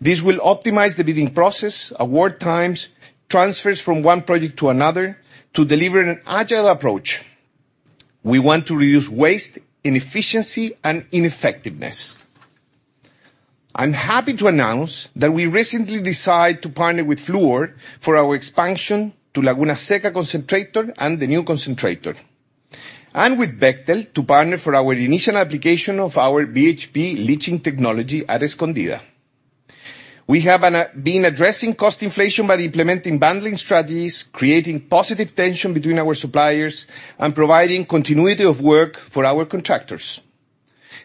This will optimize the bidding process, award times, transfers from one project to another to deliver an agile approach. We want to reduce waste, inefficiency, and ineffectiveness. I'm happy to announce that we recently decided to partner with Fluor for our expansion to Laguna Seca concentrator and the new concentrator, and with Bechtel to partner for our initial application of our BHP leaching technology at Escondida. We have been addressing cost inflation by implementing bundling strategies, creating positive tension between our suppliers, and providing continuity of work for our contractors.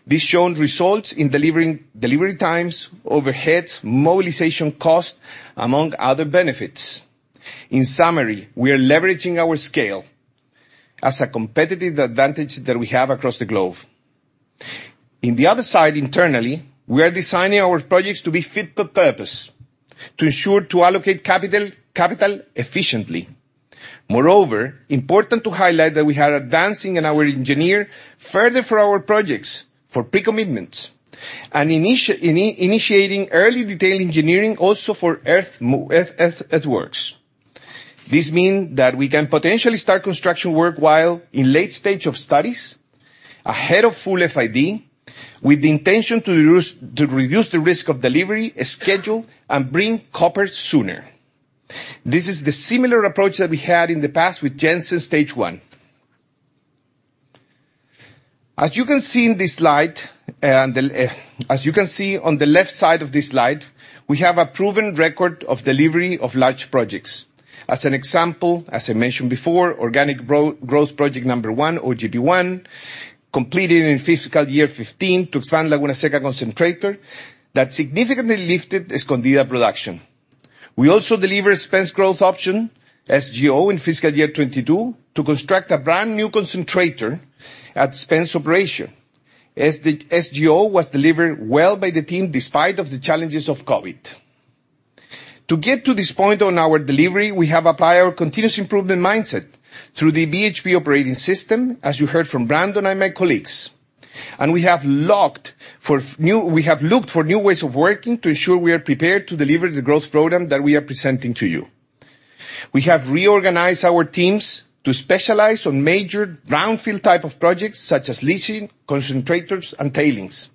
This has shown results in delivery times, overheads, mobilization costs, among other benefits. In summary, we are leveraging our scale as a competitive advantage that we have across the globe. On the other side, internally, we are designing our projects to be fit for purpose, to ensure to allocate capital efficiently. Moreover, it's important to highlight that we are advancing in our engineering further for our projects for pre-commitments and initiating early detailed engineering also for earthworks. This means that we can potentially start construction work while in late stage of studies, ahead of full FID, with the intention to reduce the risk of delivery, schedule, and bring copper sooner. This is the similar approach that we had in the past with Jansen Stage One. As you can see in this slide, and as you can see on the left side of this slide, we have a proven record of delivery of large projects. As an example, as I mentioned before, Organic Growth Project Number One, OGP1, completed in fiscal year 2015 to expand Laguna Seca concentrator that significantly lifted Escondida production. We also delivered Spence Growth Option SGO in fiscal year 2022 to construct a brand new concentrator at Spence operation. SGO was delivered well by the team despite the challenges of COVID. To get to this point on our delivery, we have applied our continuous improvement mindset through the BHP Operating System, as you heard from Brandon and my colleagues, and we have looked for new ways of working to ensure we are prepared to deliver the growth program that we are presenting to you. We have reorganized our teams to specialize on major brownfield type of projects such as leaching, concentrators, and tailings.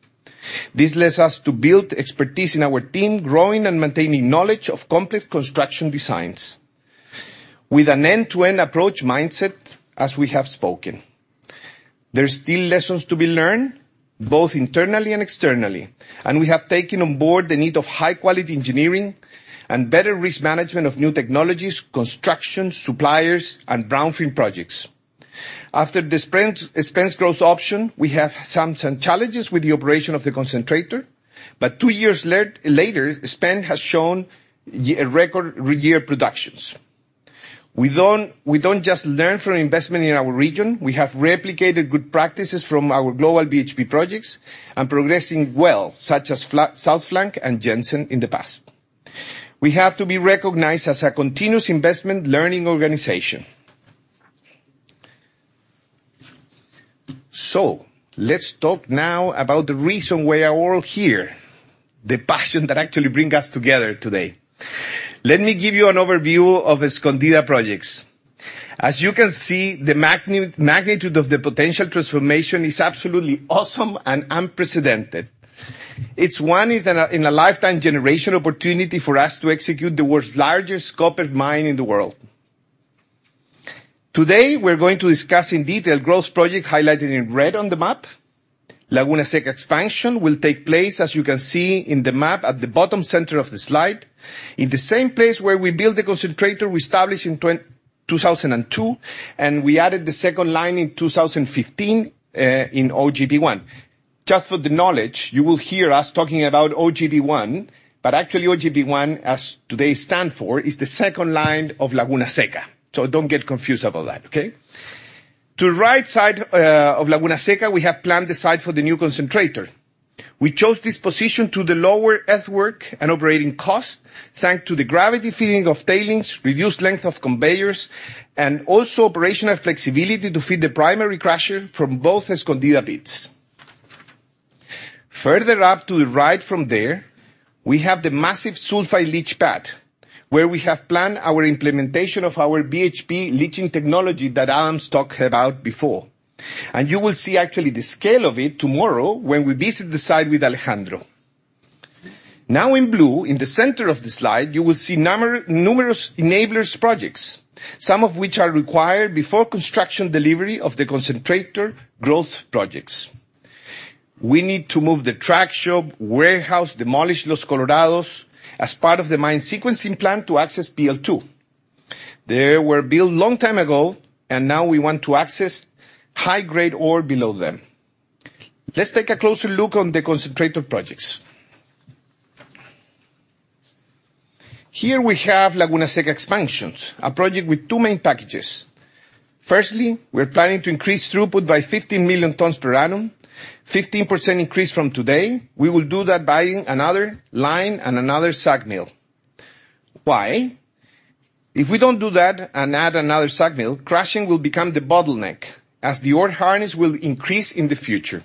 This lets us build expertise in our team, growing and maintaining knowledge of complex construction designs with an end-to-end approach mindset as we have spoken. There are still lessons to be learned, both internally and externally, and we have taken on board the need of high-quality engineering and better risk management of new technologies, constructions, suppliers, and brownfield projects. After the Spence Growth Option, we have some challenges with the operation of the concentrator, but two years later, Spence has shown record year productions. We don't just learn from investment in our region. We have replicated good practices from our global BHP projects and progressing well, such as South Flank and Jansen in the past. We have to be recognized as a continuous investment learning organization. So let's talk now about the reason we are all here, the passion that actually brings us together today. Let me give you an overview of Escondida projects. As you can see, the magnitude of the potential transformation is absolutely awesome and unprecedented. It's one in a lifetime generation opportunity for us to execute the world's largest copper mine in the world. Today, we're going to discuss in detail growth projects highlighted in red on the map. Laguna Seca Expansion will take place, as you can see in the map at the bottom center of the slide, in the same place where we built the concentrator we established in 2002, and we added the second line in 2015 in OGP1. Just for the knowledge, you will hear us talking about OGP1, but actually, OGP1, as today stands for, is the second line of Laguna Seca. So don't get confused about that, okay? To the right side of Laguna Seca, we have planned the site for the new concentrator. We chose this position to the lower earthwork and operating cost, thanks to the gravity feeding of tailings, reduced length of conveyors, and also operational flexibility to feed the primary crusher from both Escondida pits. Further up to the right from there, we have the massive sulfide leach pad where we have planned our implementation of our BHP leaching technology that Adam talked about before. You will see actually the scale of it tomorrow when we visit the site with Alejandro. Now in blue, in the center of the slide, you will see numerous enablers projects, some of which are required before construction delivery of the concentrator growth projects. We need to move the truck shop, warehouse, demolish Los Colorados as part of the mine sequencing plan to access PL2. They were built a long time ago, and now we want to access high-grade ore below them. Let's take a closer look on the concentrator projects. Here we have Laguna Seca Expansions, a project with two main packages. Firstly, we're planning to increase throughput by 15 million tons per annum, 15% increase from today. We will do that by another line and another SAG mill. Why? If we don't do that and add another SAG mill, crushing will become the bottleneck as the ore hardness will increase in the future.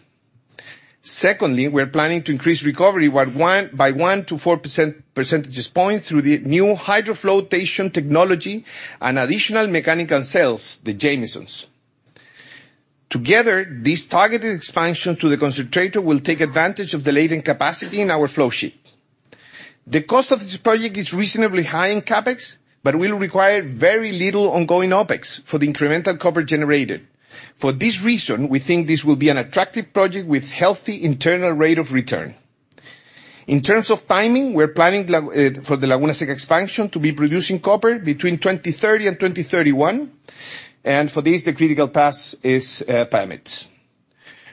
Secondly, we're planning to increase recovery by 1-4 percentage points through the new HydroFloat technology and additional mechanical cells, the Jamesons. Together, this targeted expansion to the concentrator will take advantage of the latent capacity in our flow sheet. The cost of this project is reasonably high in CapEx, but will require very little ongoing OpEx for the incremental copper generated. For this reason, we think this will be an attractive project with a healthy internal rate of return. In terms of timing, we're planning for the Laguna Seca Expansion to be producing copper between 2030 and 2031, and for this, the critical task is permits.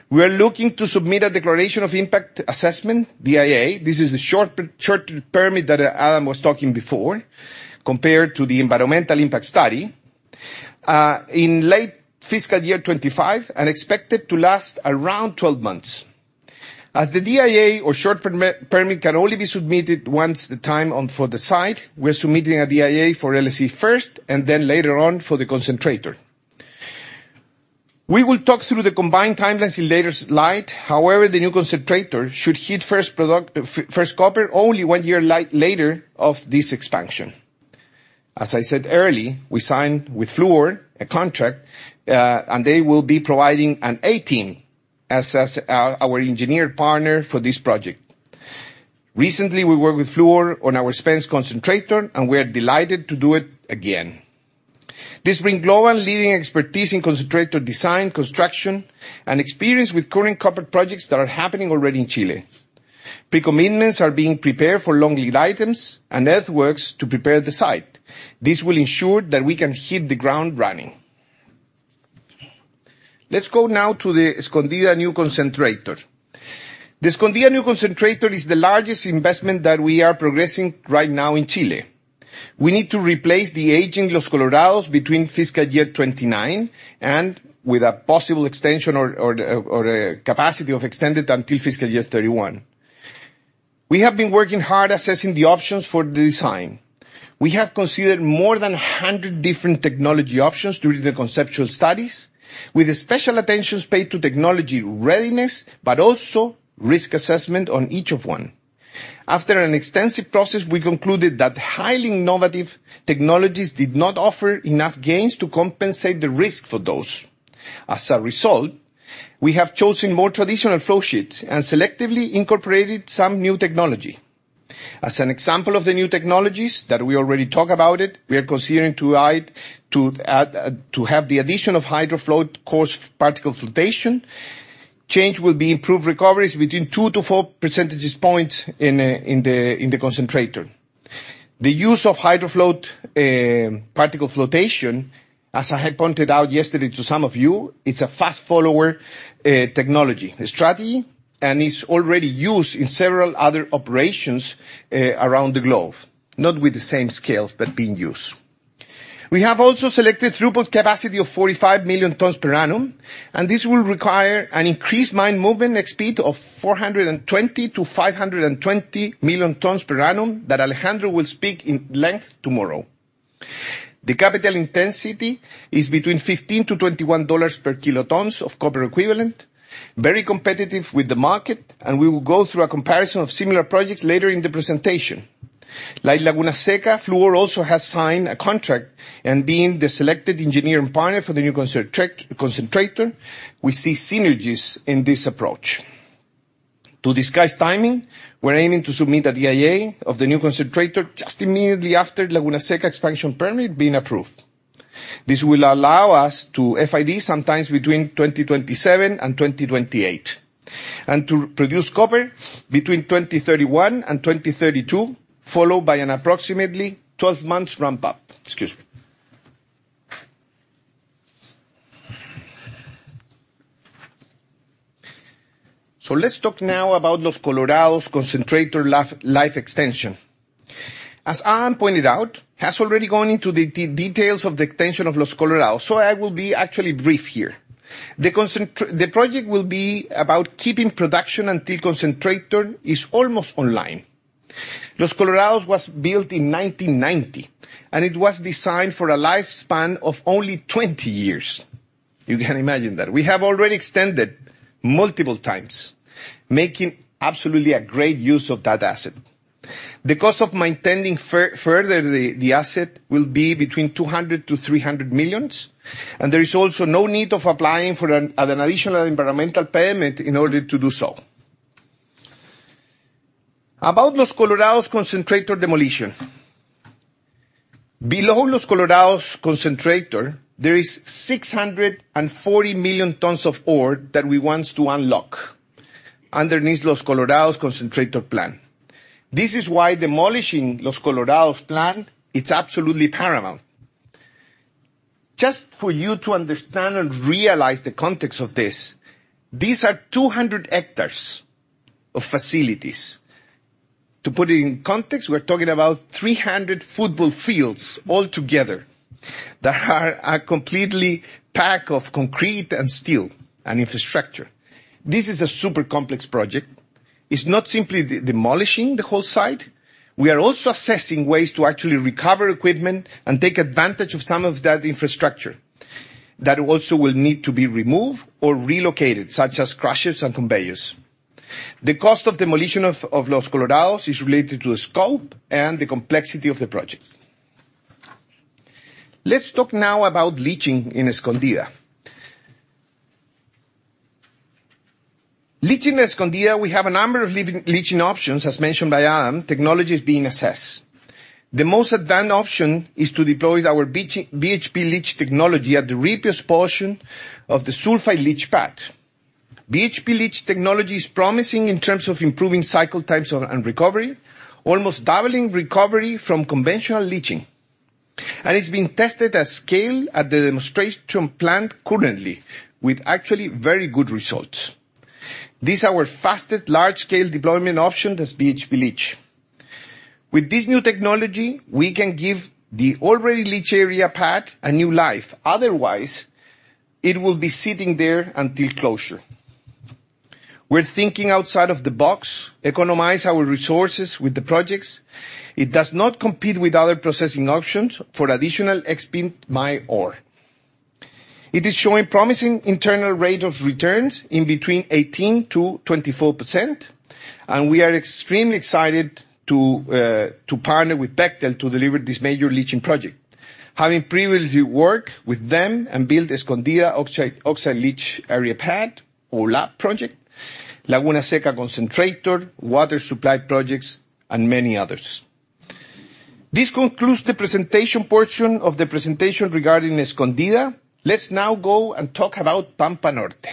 We are looking to submit an environmental impact declaration, DIA. This is the short permit that Adam was talking about before, compared to the environmental impact study. In late fiscal year 2025, and expected to last around 12 months. As the DIA, or short permit, can only be submitted once the title for the site, we're submitting a DIA for LSE first and then later on for the concentrator. We will talk through the combined timelines in later slides. However, the new concentrator should hit first copper only one year later of this expansion. As I said earlier, we signed with Fluor a contract, and they will be providing an A-team as our engineer partner for this project. Recently, we worked with Fluor on Spence Concentrator, and we are delighted to do it again. This brings global leading expertise in concentrator design, construction, and experience with current copper projects that are happening already in Chile. Pre-commitments are being prepared for long lead items and earthworks to prepare the site. This will ensure that we can hit the ground running. Let's go now to the Escondida New Concentrator. The Escondida New Concentrator is the largest investment that we are progressing right now in Chile. We need to replace the aging Los Colorados between fiscal year 2029 and with a possible extension or capacity of extended until fiscal year 2031. We have been working hard assessing the options for the design. We have considered more than 100 different technology options during the conceptual studies, with special attention paid to technology readiness, but also risk assessment on each one. After an extensive process, we concluded that highly innovative technologies did not offer enough gains to compensate the risk for those. As a result, we have chosen more traditional flow sheets and selectively incorporated some new technology. As an example of the new technologies that we already talked about, we are considering to have the addition of HydroFloat coarse particle flotation. Change will be improved recoveries between 2-4 percentage points in the concentrator. The use of HydroFloat particle flotation, as I had pointed out yesterday to some of you, is a fast-follower technology strategy and is already used in several other operations around the globe, not with the same scales, but being used. We have also selected throughput capacity of 45 million tons per annum, and this will require an increased mine movement speed of 420-520 million tons per annum that Alejandro will speak at length tomorrow. The capital intensity is between $15-$21 per kilotons of copper equivalent, very competitive with the market, and we will go through a comparison of similar projects later in the presentation. Like Laguna Seca, Fluor also has signed a contract and being the selected engineer and partner for the new concentrator, we see synergies in this approach. To discuss timing, we're aiming to submit a DIA of the new concentrator just immediately after Laguna Seca Expansion permit being approved. This will allow us to FID sometime between 2027 and 2028, and to produce copper between 2031 and 2032, followed by an approximately 12-month ramp-up. Excuse me. Let's talk now about Los Colorados concentrator life extension. As Adam pointed out, he has already gone into the details of the extension of Los Colorados, so I will be actually brief here. The project will be about keeping production until concentrator is almost online. Los Colorados was built in 1990, and it was designed for a lifespan of only 20 years. You can imagine that. We have already extended multiple times, making absolutely a great use of that asset. The cost of maintaining further the asset will be between $200-$300 million, and there is also no need of applying for an additional environmental permit in order to do so. About Los Colorados concentrator demolition. Below Los Colorados concentrator, there is 640 million tons of ore that we want to unlock underneath Los Colorados concentrator plant. This is why demolishing Los Colorados plant, it's absolutely paramount. Just for you to understand and realize the context of this, these are 200 hectares of facilities. To put it in context, we're talking about 300 football fields altogether that are completely packed with concrete and steel and infrastructure. This is a super complex project. It's not simply demolishing the whole site. We are also assessing ways to actually recover equipment and take advantage of some of that infrastructure that also will need to be removed or relocated, such as crushers and conveyors. The cost of demolition of Los Colorados is related to the scope and the complexity of the project. Let's talk now about leaching in Escondida. Leaching in Escondida, we have a number of leaching options, as mentioned by Adam. Technology is being assessed. The most advanced option is to deploy our BHP Leach technology at the ripios portion of the sulfide leach pad. BHP Leach technology is promising in terms of improving cycle times and recovery, almost doubling recovery from conventional leaching. It's been tested at scale at the demonstration plant currently with actually very good results. This is our fastest large-scale deployment option as BHP Leach. With this new technology, we can give the oxide leach area pad a new life. Otherwise, it will be sitting there until closure. We're thinking outside of the box, economizing our resources with the projects. It does not compete with other processing options for additional spent ore. It is showing promising internal rate of returns in between 18%-24%, and we are extremely excited to partner with Bechtel to deliver this major leaching project. Having previously worked with them and built Escondida Oxide Leach Area pad, OLAP project, Laguna Seca concentrator, water supply projects, and many others. This concludes the presentation portion of the presentation regarding Escondida. Let's now go and talk about Pampa Norte.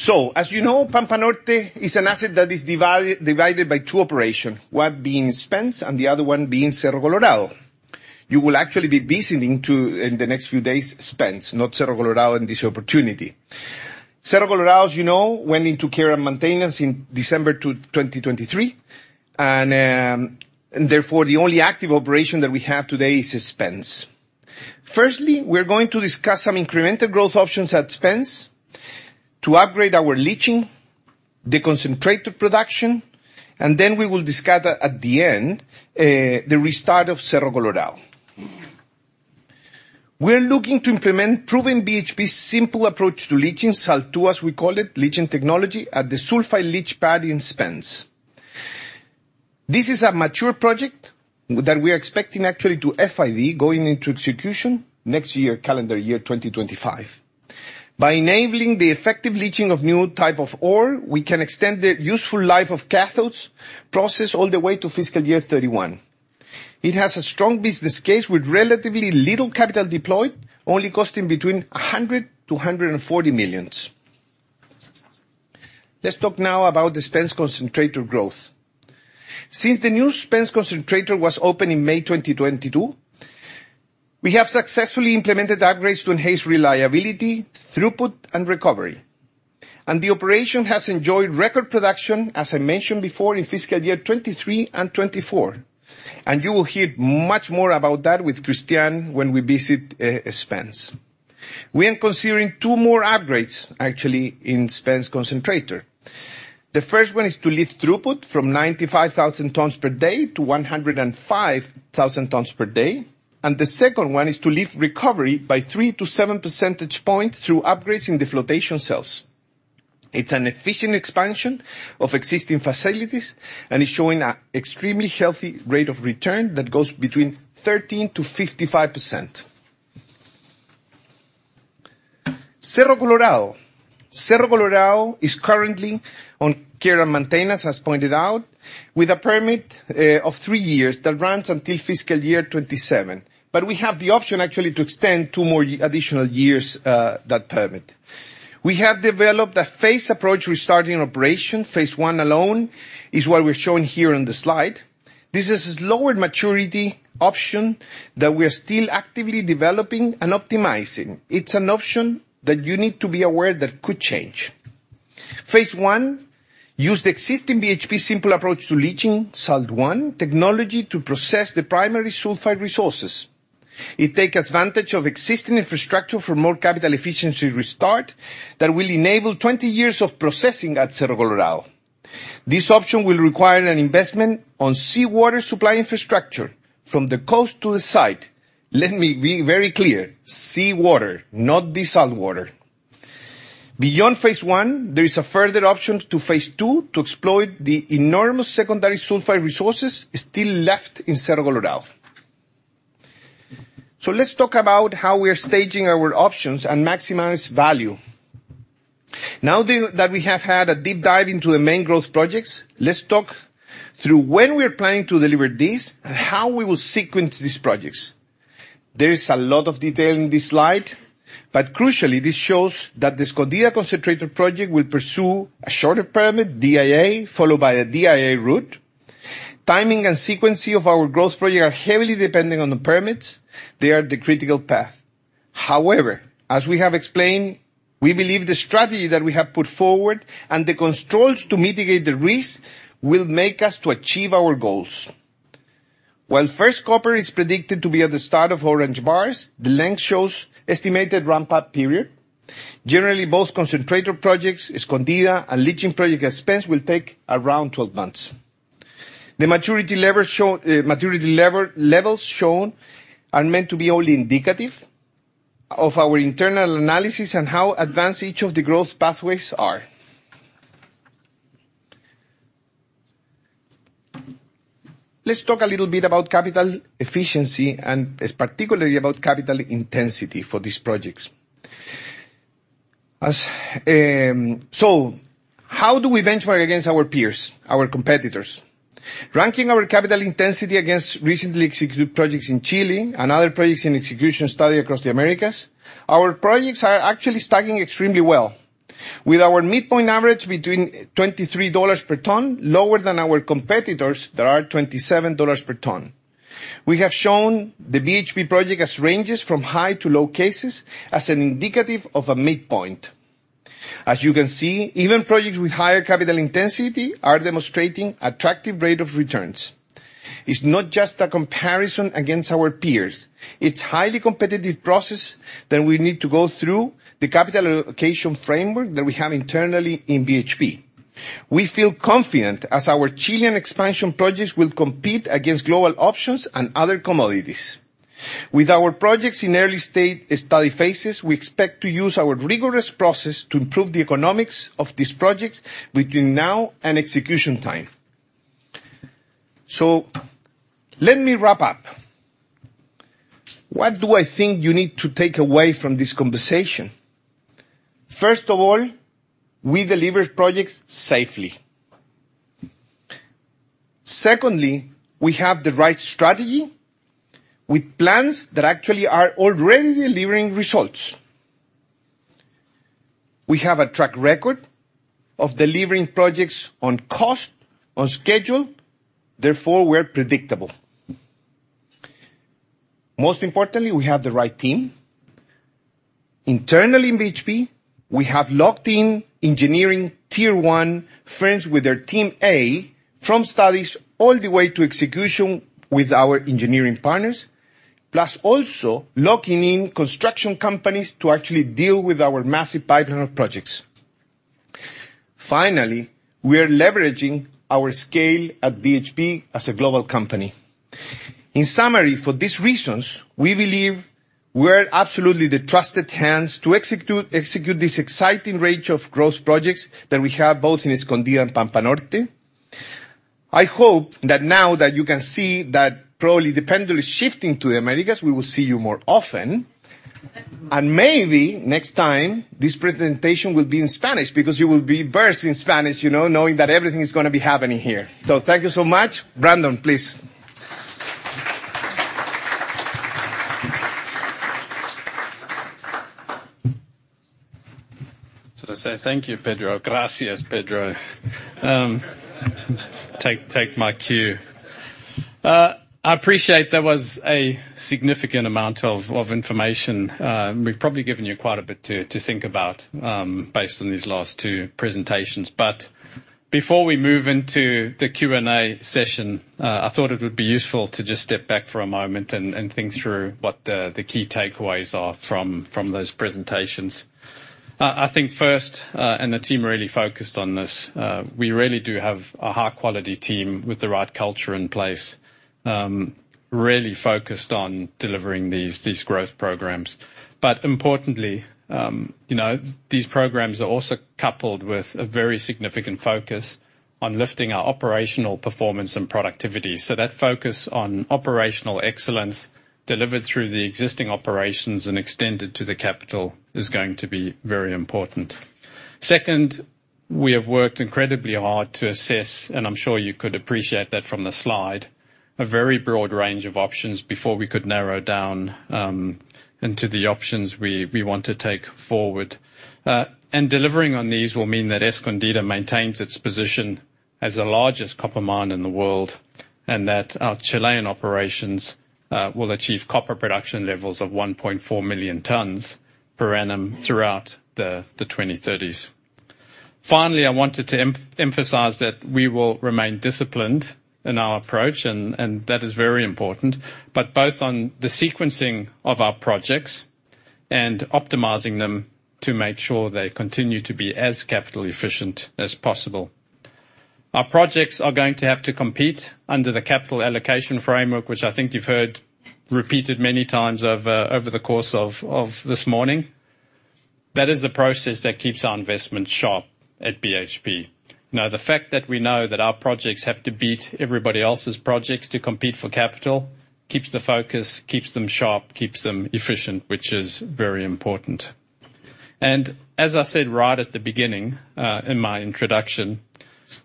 So, as you know, Pampa Norte is an asset that is divided by two operations, one being Spence and the other one being Cerro Colorado. You will actually be visiting in the next few days Spence, not Cerro Colorado in this opportunity. Cerro Colorado, as you know, went into care and maintenance in December 2023, and therefore the only active operation that we have today is Spence. Firstly, we're going to discuss some incremental growth options at Spence to upgrade our leaching, the concentrator production, and then we will discuss at the end the restart of Cerro Colorado. We're looking to implement proven BHP Simple Approach to Leaching, SAL2 as we call it, leaching technology at the sulfide leach pad in Spence. This is a mature project that we are expecting actually to FID, going into execution next year, calendar year 2025. By enabling the effective leaching of new type of ore, we can extend the useful life of cathodes, process all the way to fiscal year 2031. It has a strong business case with relatively little capital deployed, only costing between $100-$140 million. Let's talk now about Spence Concentrator growth. Since the Spence Concentrator was opened in May 2022, we have successfully implemented upgrades to enhance reliability, throughput, and recovery, and the operation has enjoyed record production, as I mentioned before, in fiscal year 2023 and 2024. You will hear much more about that with Christian when we visit Spence. We are considering two more upgrades, actually, in Spence Concentrator. The first one is to lift throughput from 95,000 tons per day to 105,000 tons per day and the second one is to lift recovery by three to seven percentage points through upgrades in the flotation cells. It's an efficient expansion of existing facilities and is showing an extremely healthy rate of return that goes between 13%-55%. Cerro Colorado. Cerro Colorado is currently on care and maintenance, as pointed out, with a permit of three years that runs until fiscal year 2027. But we have the option actually to extend two more additional years that permit. We have developed a phase approach restarting operation. Phase one alone is what we're showing here on the slide. This is a slower maturity option that we are still actively developing and optimizing. It's an option that you need to be aware that could change. Phase one, use the existing BHP Simple Approach to Leaching, SAL2 technology to process the primary sulfide resources. It takes advantage of existing infrastructure for more capital efficiency restart that will enable 20 years of processing at Cerro Colorado. This option will require an investment on seawater supply infrastructure from the coast to the site. Let me be very clear, seawater, not the saltwater. Beyond Phase I, there is a further option to Phase 2 to exploit the enormous secondary sulfide resources still left in Cerro Colorado. So let's talk about how we are staging our options and maximize value. Now that we have had a deep dive into the main growth projects, let's talk through when we are planning to deliver these and how we will sequence these projects. There is a lot of detail in this slide, but crucially, this shows that the Escondida concentrator project will pursue a shorter permit, DIA, followed by a DIA route. Timing and sequence of our growth project are heavily dependent on the permits. They are the critical path. However, as we have explained, we believe the strategy that we have put forward and the controls to mitigate the risk will make us achieve our goals. While first copper is predicted to be at the start of orange bars, the length shows estimated ramp-up period. Generally, both concentrator projects, Escondida and leaching project at Spence, will take around 12 months. The maturity levels shown are meant to be only indicative of our internal analysis and how advanced each of the growth pathways are. Let's talk a little bit about capital efficiency and particularly about capital intensity for these projects. So how do we benchmark against our peers, our competitors? Ranking our capital intensity against recently executed projects in Chile and other projects in execution study across the Americas, our projects are actually stacking extremely well, with our midpoint average between $23 per ton, lower than our competitors that are $27 per ton. We have shown the BHP project as ranges from high to low cases as an indicative of a midpoint. As you can see, even projects with higher capital intensity are demonstrating attractive rate of returns. It's not just a comparison against our peers. It's a highly competitive process that we need to go through the capital allocation framework that we have internally in BHP. We feel confident as our Chilean expansion projects will compete against global options and other commodities. With our projects in early stage study phases, we expect to use our rigorous process to improve the economics of these projects between now and execution time. So let me wrap up. What do I think you need to take away from this conversation? First of all, we deliver projects safely. Secondly, we have the right strategy with plans that actually are already delivering results. We have a track record of delivering projects on cost, on schedule. Therefore, we're predictable. Most importantly, we have the right team. Internally in BHP, we have locked-in engineering tier one firms with their A-team from studies all the way to execution with our engineering partners, plus also locking in construction companies to actually deal with our massive pipeline of projects. Finally, we are leveraging our scale at BHP as a global company. In summary, for these reasons, we believe we're absolutely the trusted hands to execute this exciting range of growth projects that we have both in Escondida and Pampa Norte. I hope that now that you can see that probably the pendulum is shifting to the Americas, we will see you more often. Maybe next time, this presentation will be in Spanish because you will be versed in Spanish, knowing that everything is going to be happening here. So thank you so much. Brandon, please. So to say thank you, Pedro. Gracias, Pedro. Take my cue. I appreciate there was a significant amount of information. We've probably given you quite a bit to think about based on these last two presentations. But before we move into the Q&A session, I thought it would be useful to just step back for a moment and think through what the key takeaways are from those presentations. I think first, and the team really focused on this, we really do have a high-quality team with the right culture in place, really focused on delivering these growth programs. But importantly, these programs are also coupled with a very significant focus on lifting our operational performance and productivity. So that focus on operational excellence delivered through the existing operations and extended to the capital is going to be very important. Second, we have worked incredibly hard to assess, and I'm sure you could appreciate that from the slide, a very broad range of options before we could narrow down into the options we want to take forward. Delivering on these will mean that Escondida maintains its position as the largest copper mine in the world and that our Chilean operations will achieve copper production levels of 1.4 million tons per annum throughout the 2030s. Finally, I wanted to emphasize that we will remain disciplined in our approach, and that is very important, but both on the sequencing of our projects and optimizing them to make sure they continue to be as capital efficient as possible. Our projects are going to have to compete under the Capital Allocation Framework, which I think you've heard repeated many times over the course of this morning. That is the process that keeps our investment sharp at BHP. Now, the fact that we know that our projects have to beat everybody else's projects to compete for capital keeps the focus, keeps them sharp, keeps them efficient, which is very important. As I said right at the beginning in my introduction,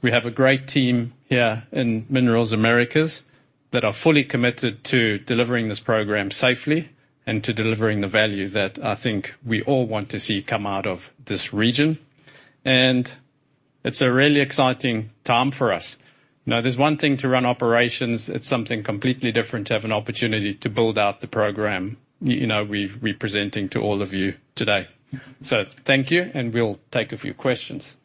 we have a great team here in Minerals Americas that are fully committed to delivering this program safely and to delivering the value that I think we all want to see come out of this region and it's a really exciting time for us. Now, there's one thing to run operations. It's something completely different to have an opportunity to build out the program we're presenting to all of you today. So thank you, and we'll take a few questions.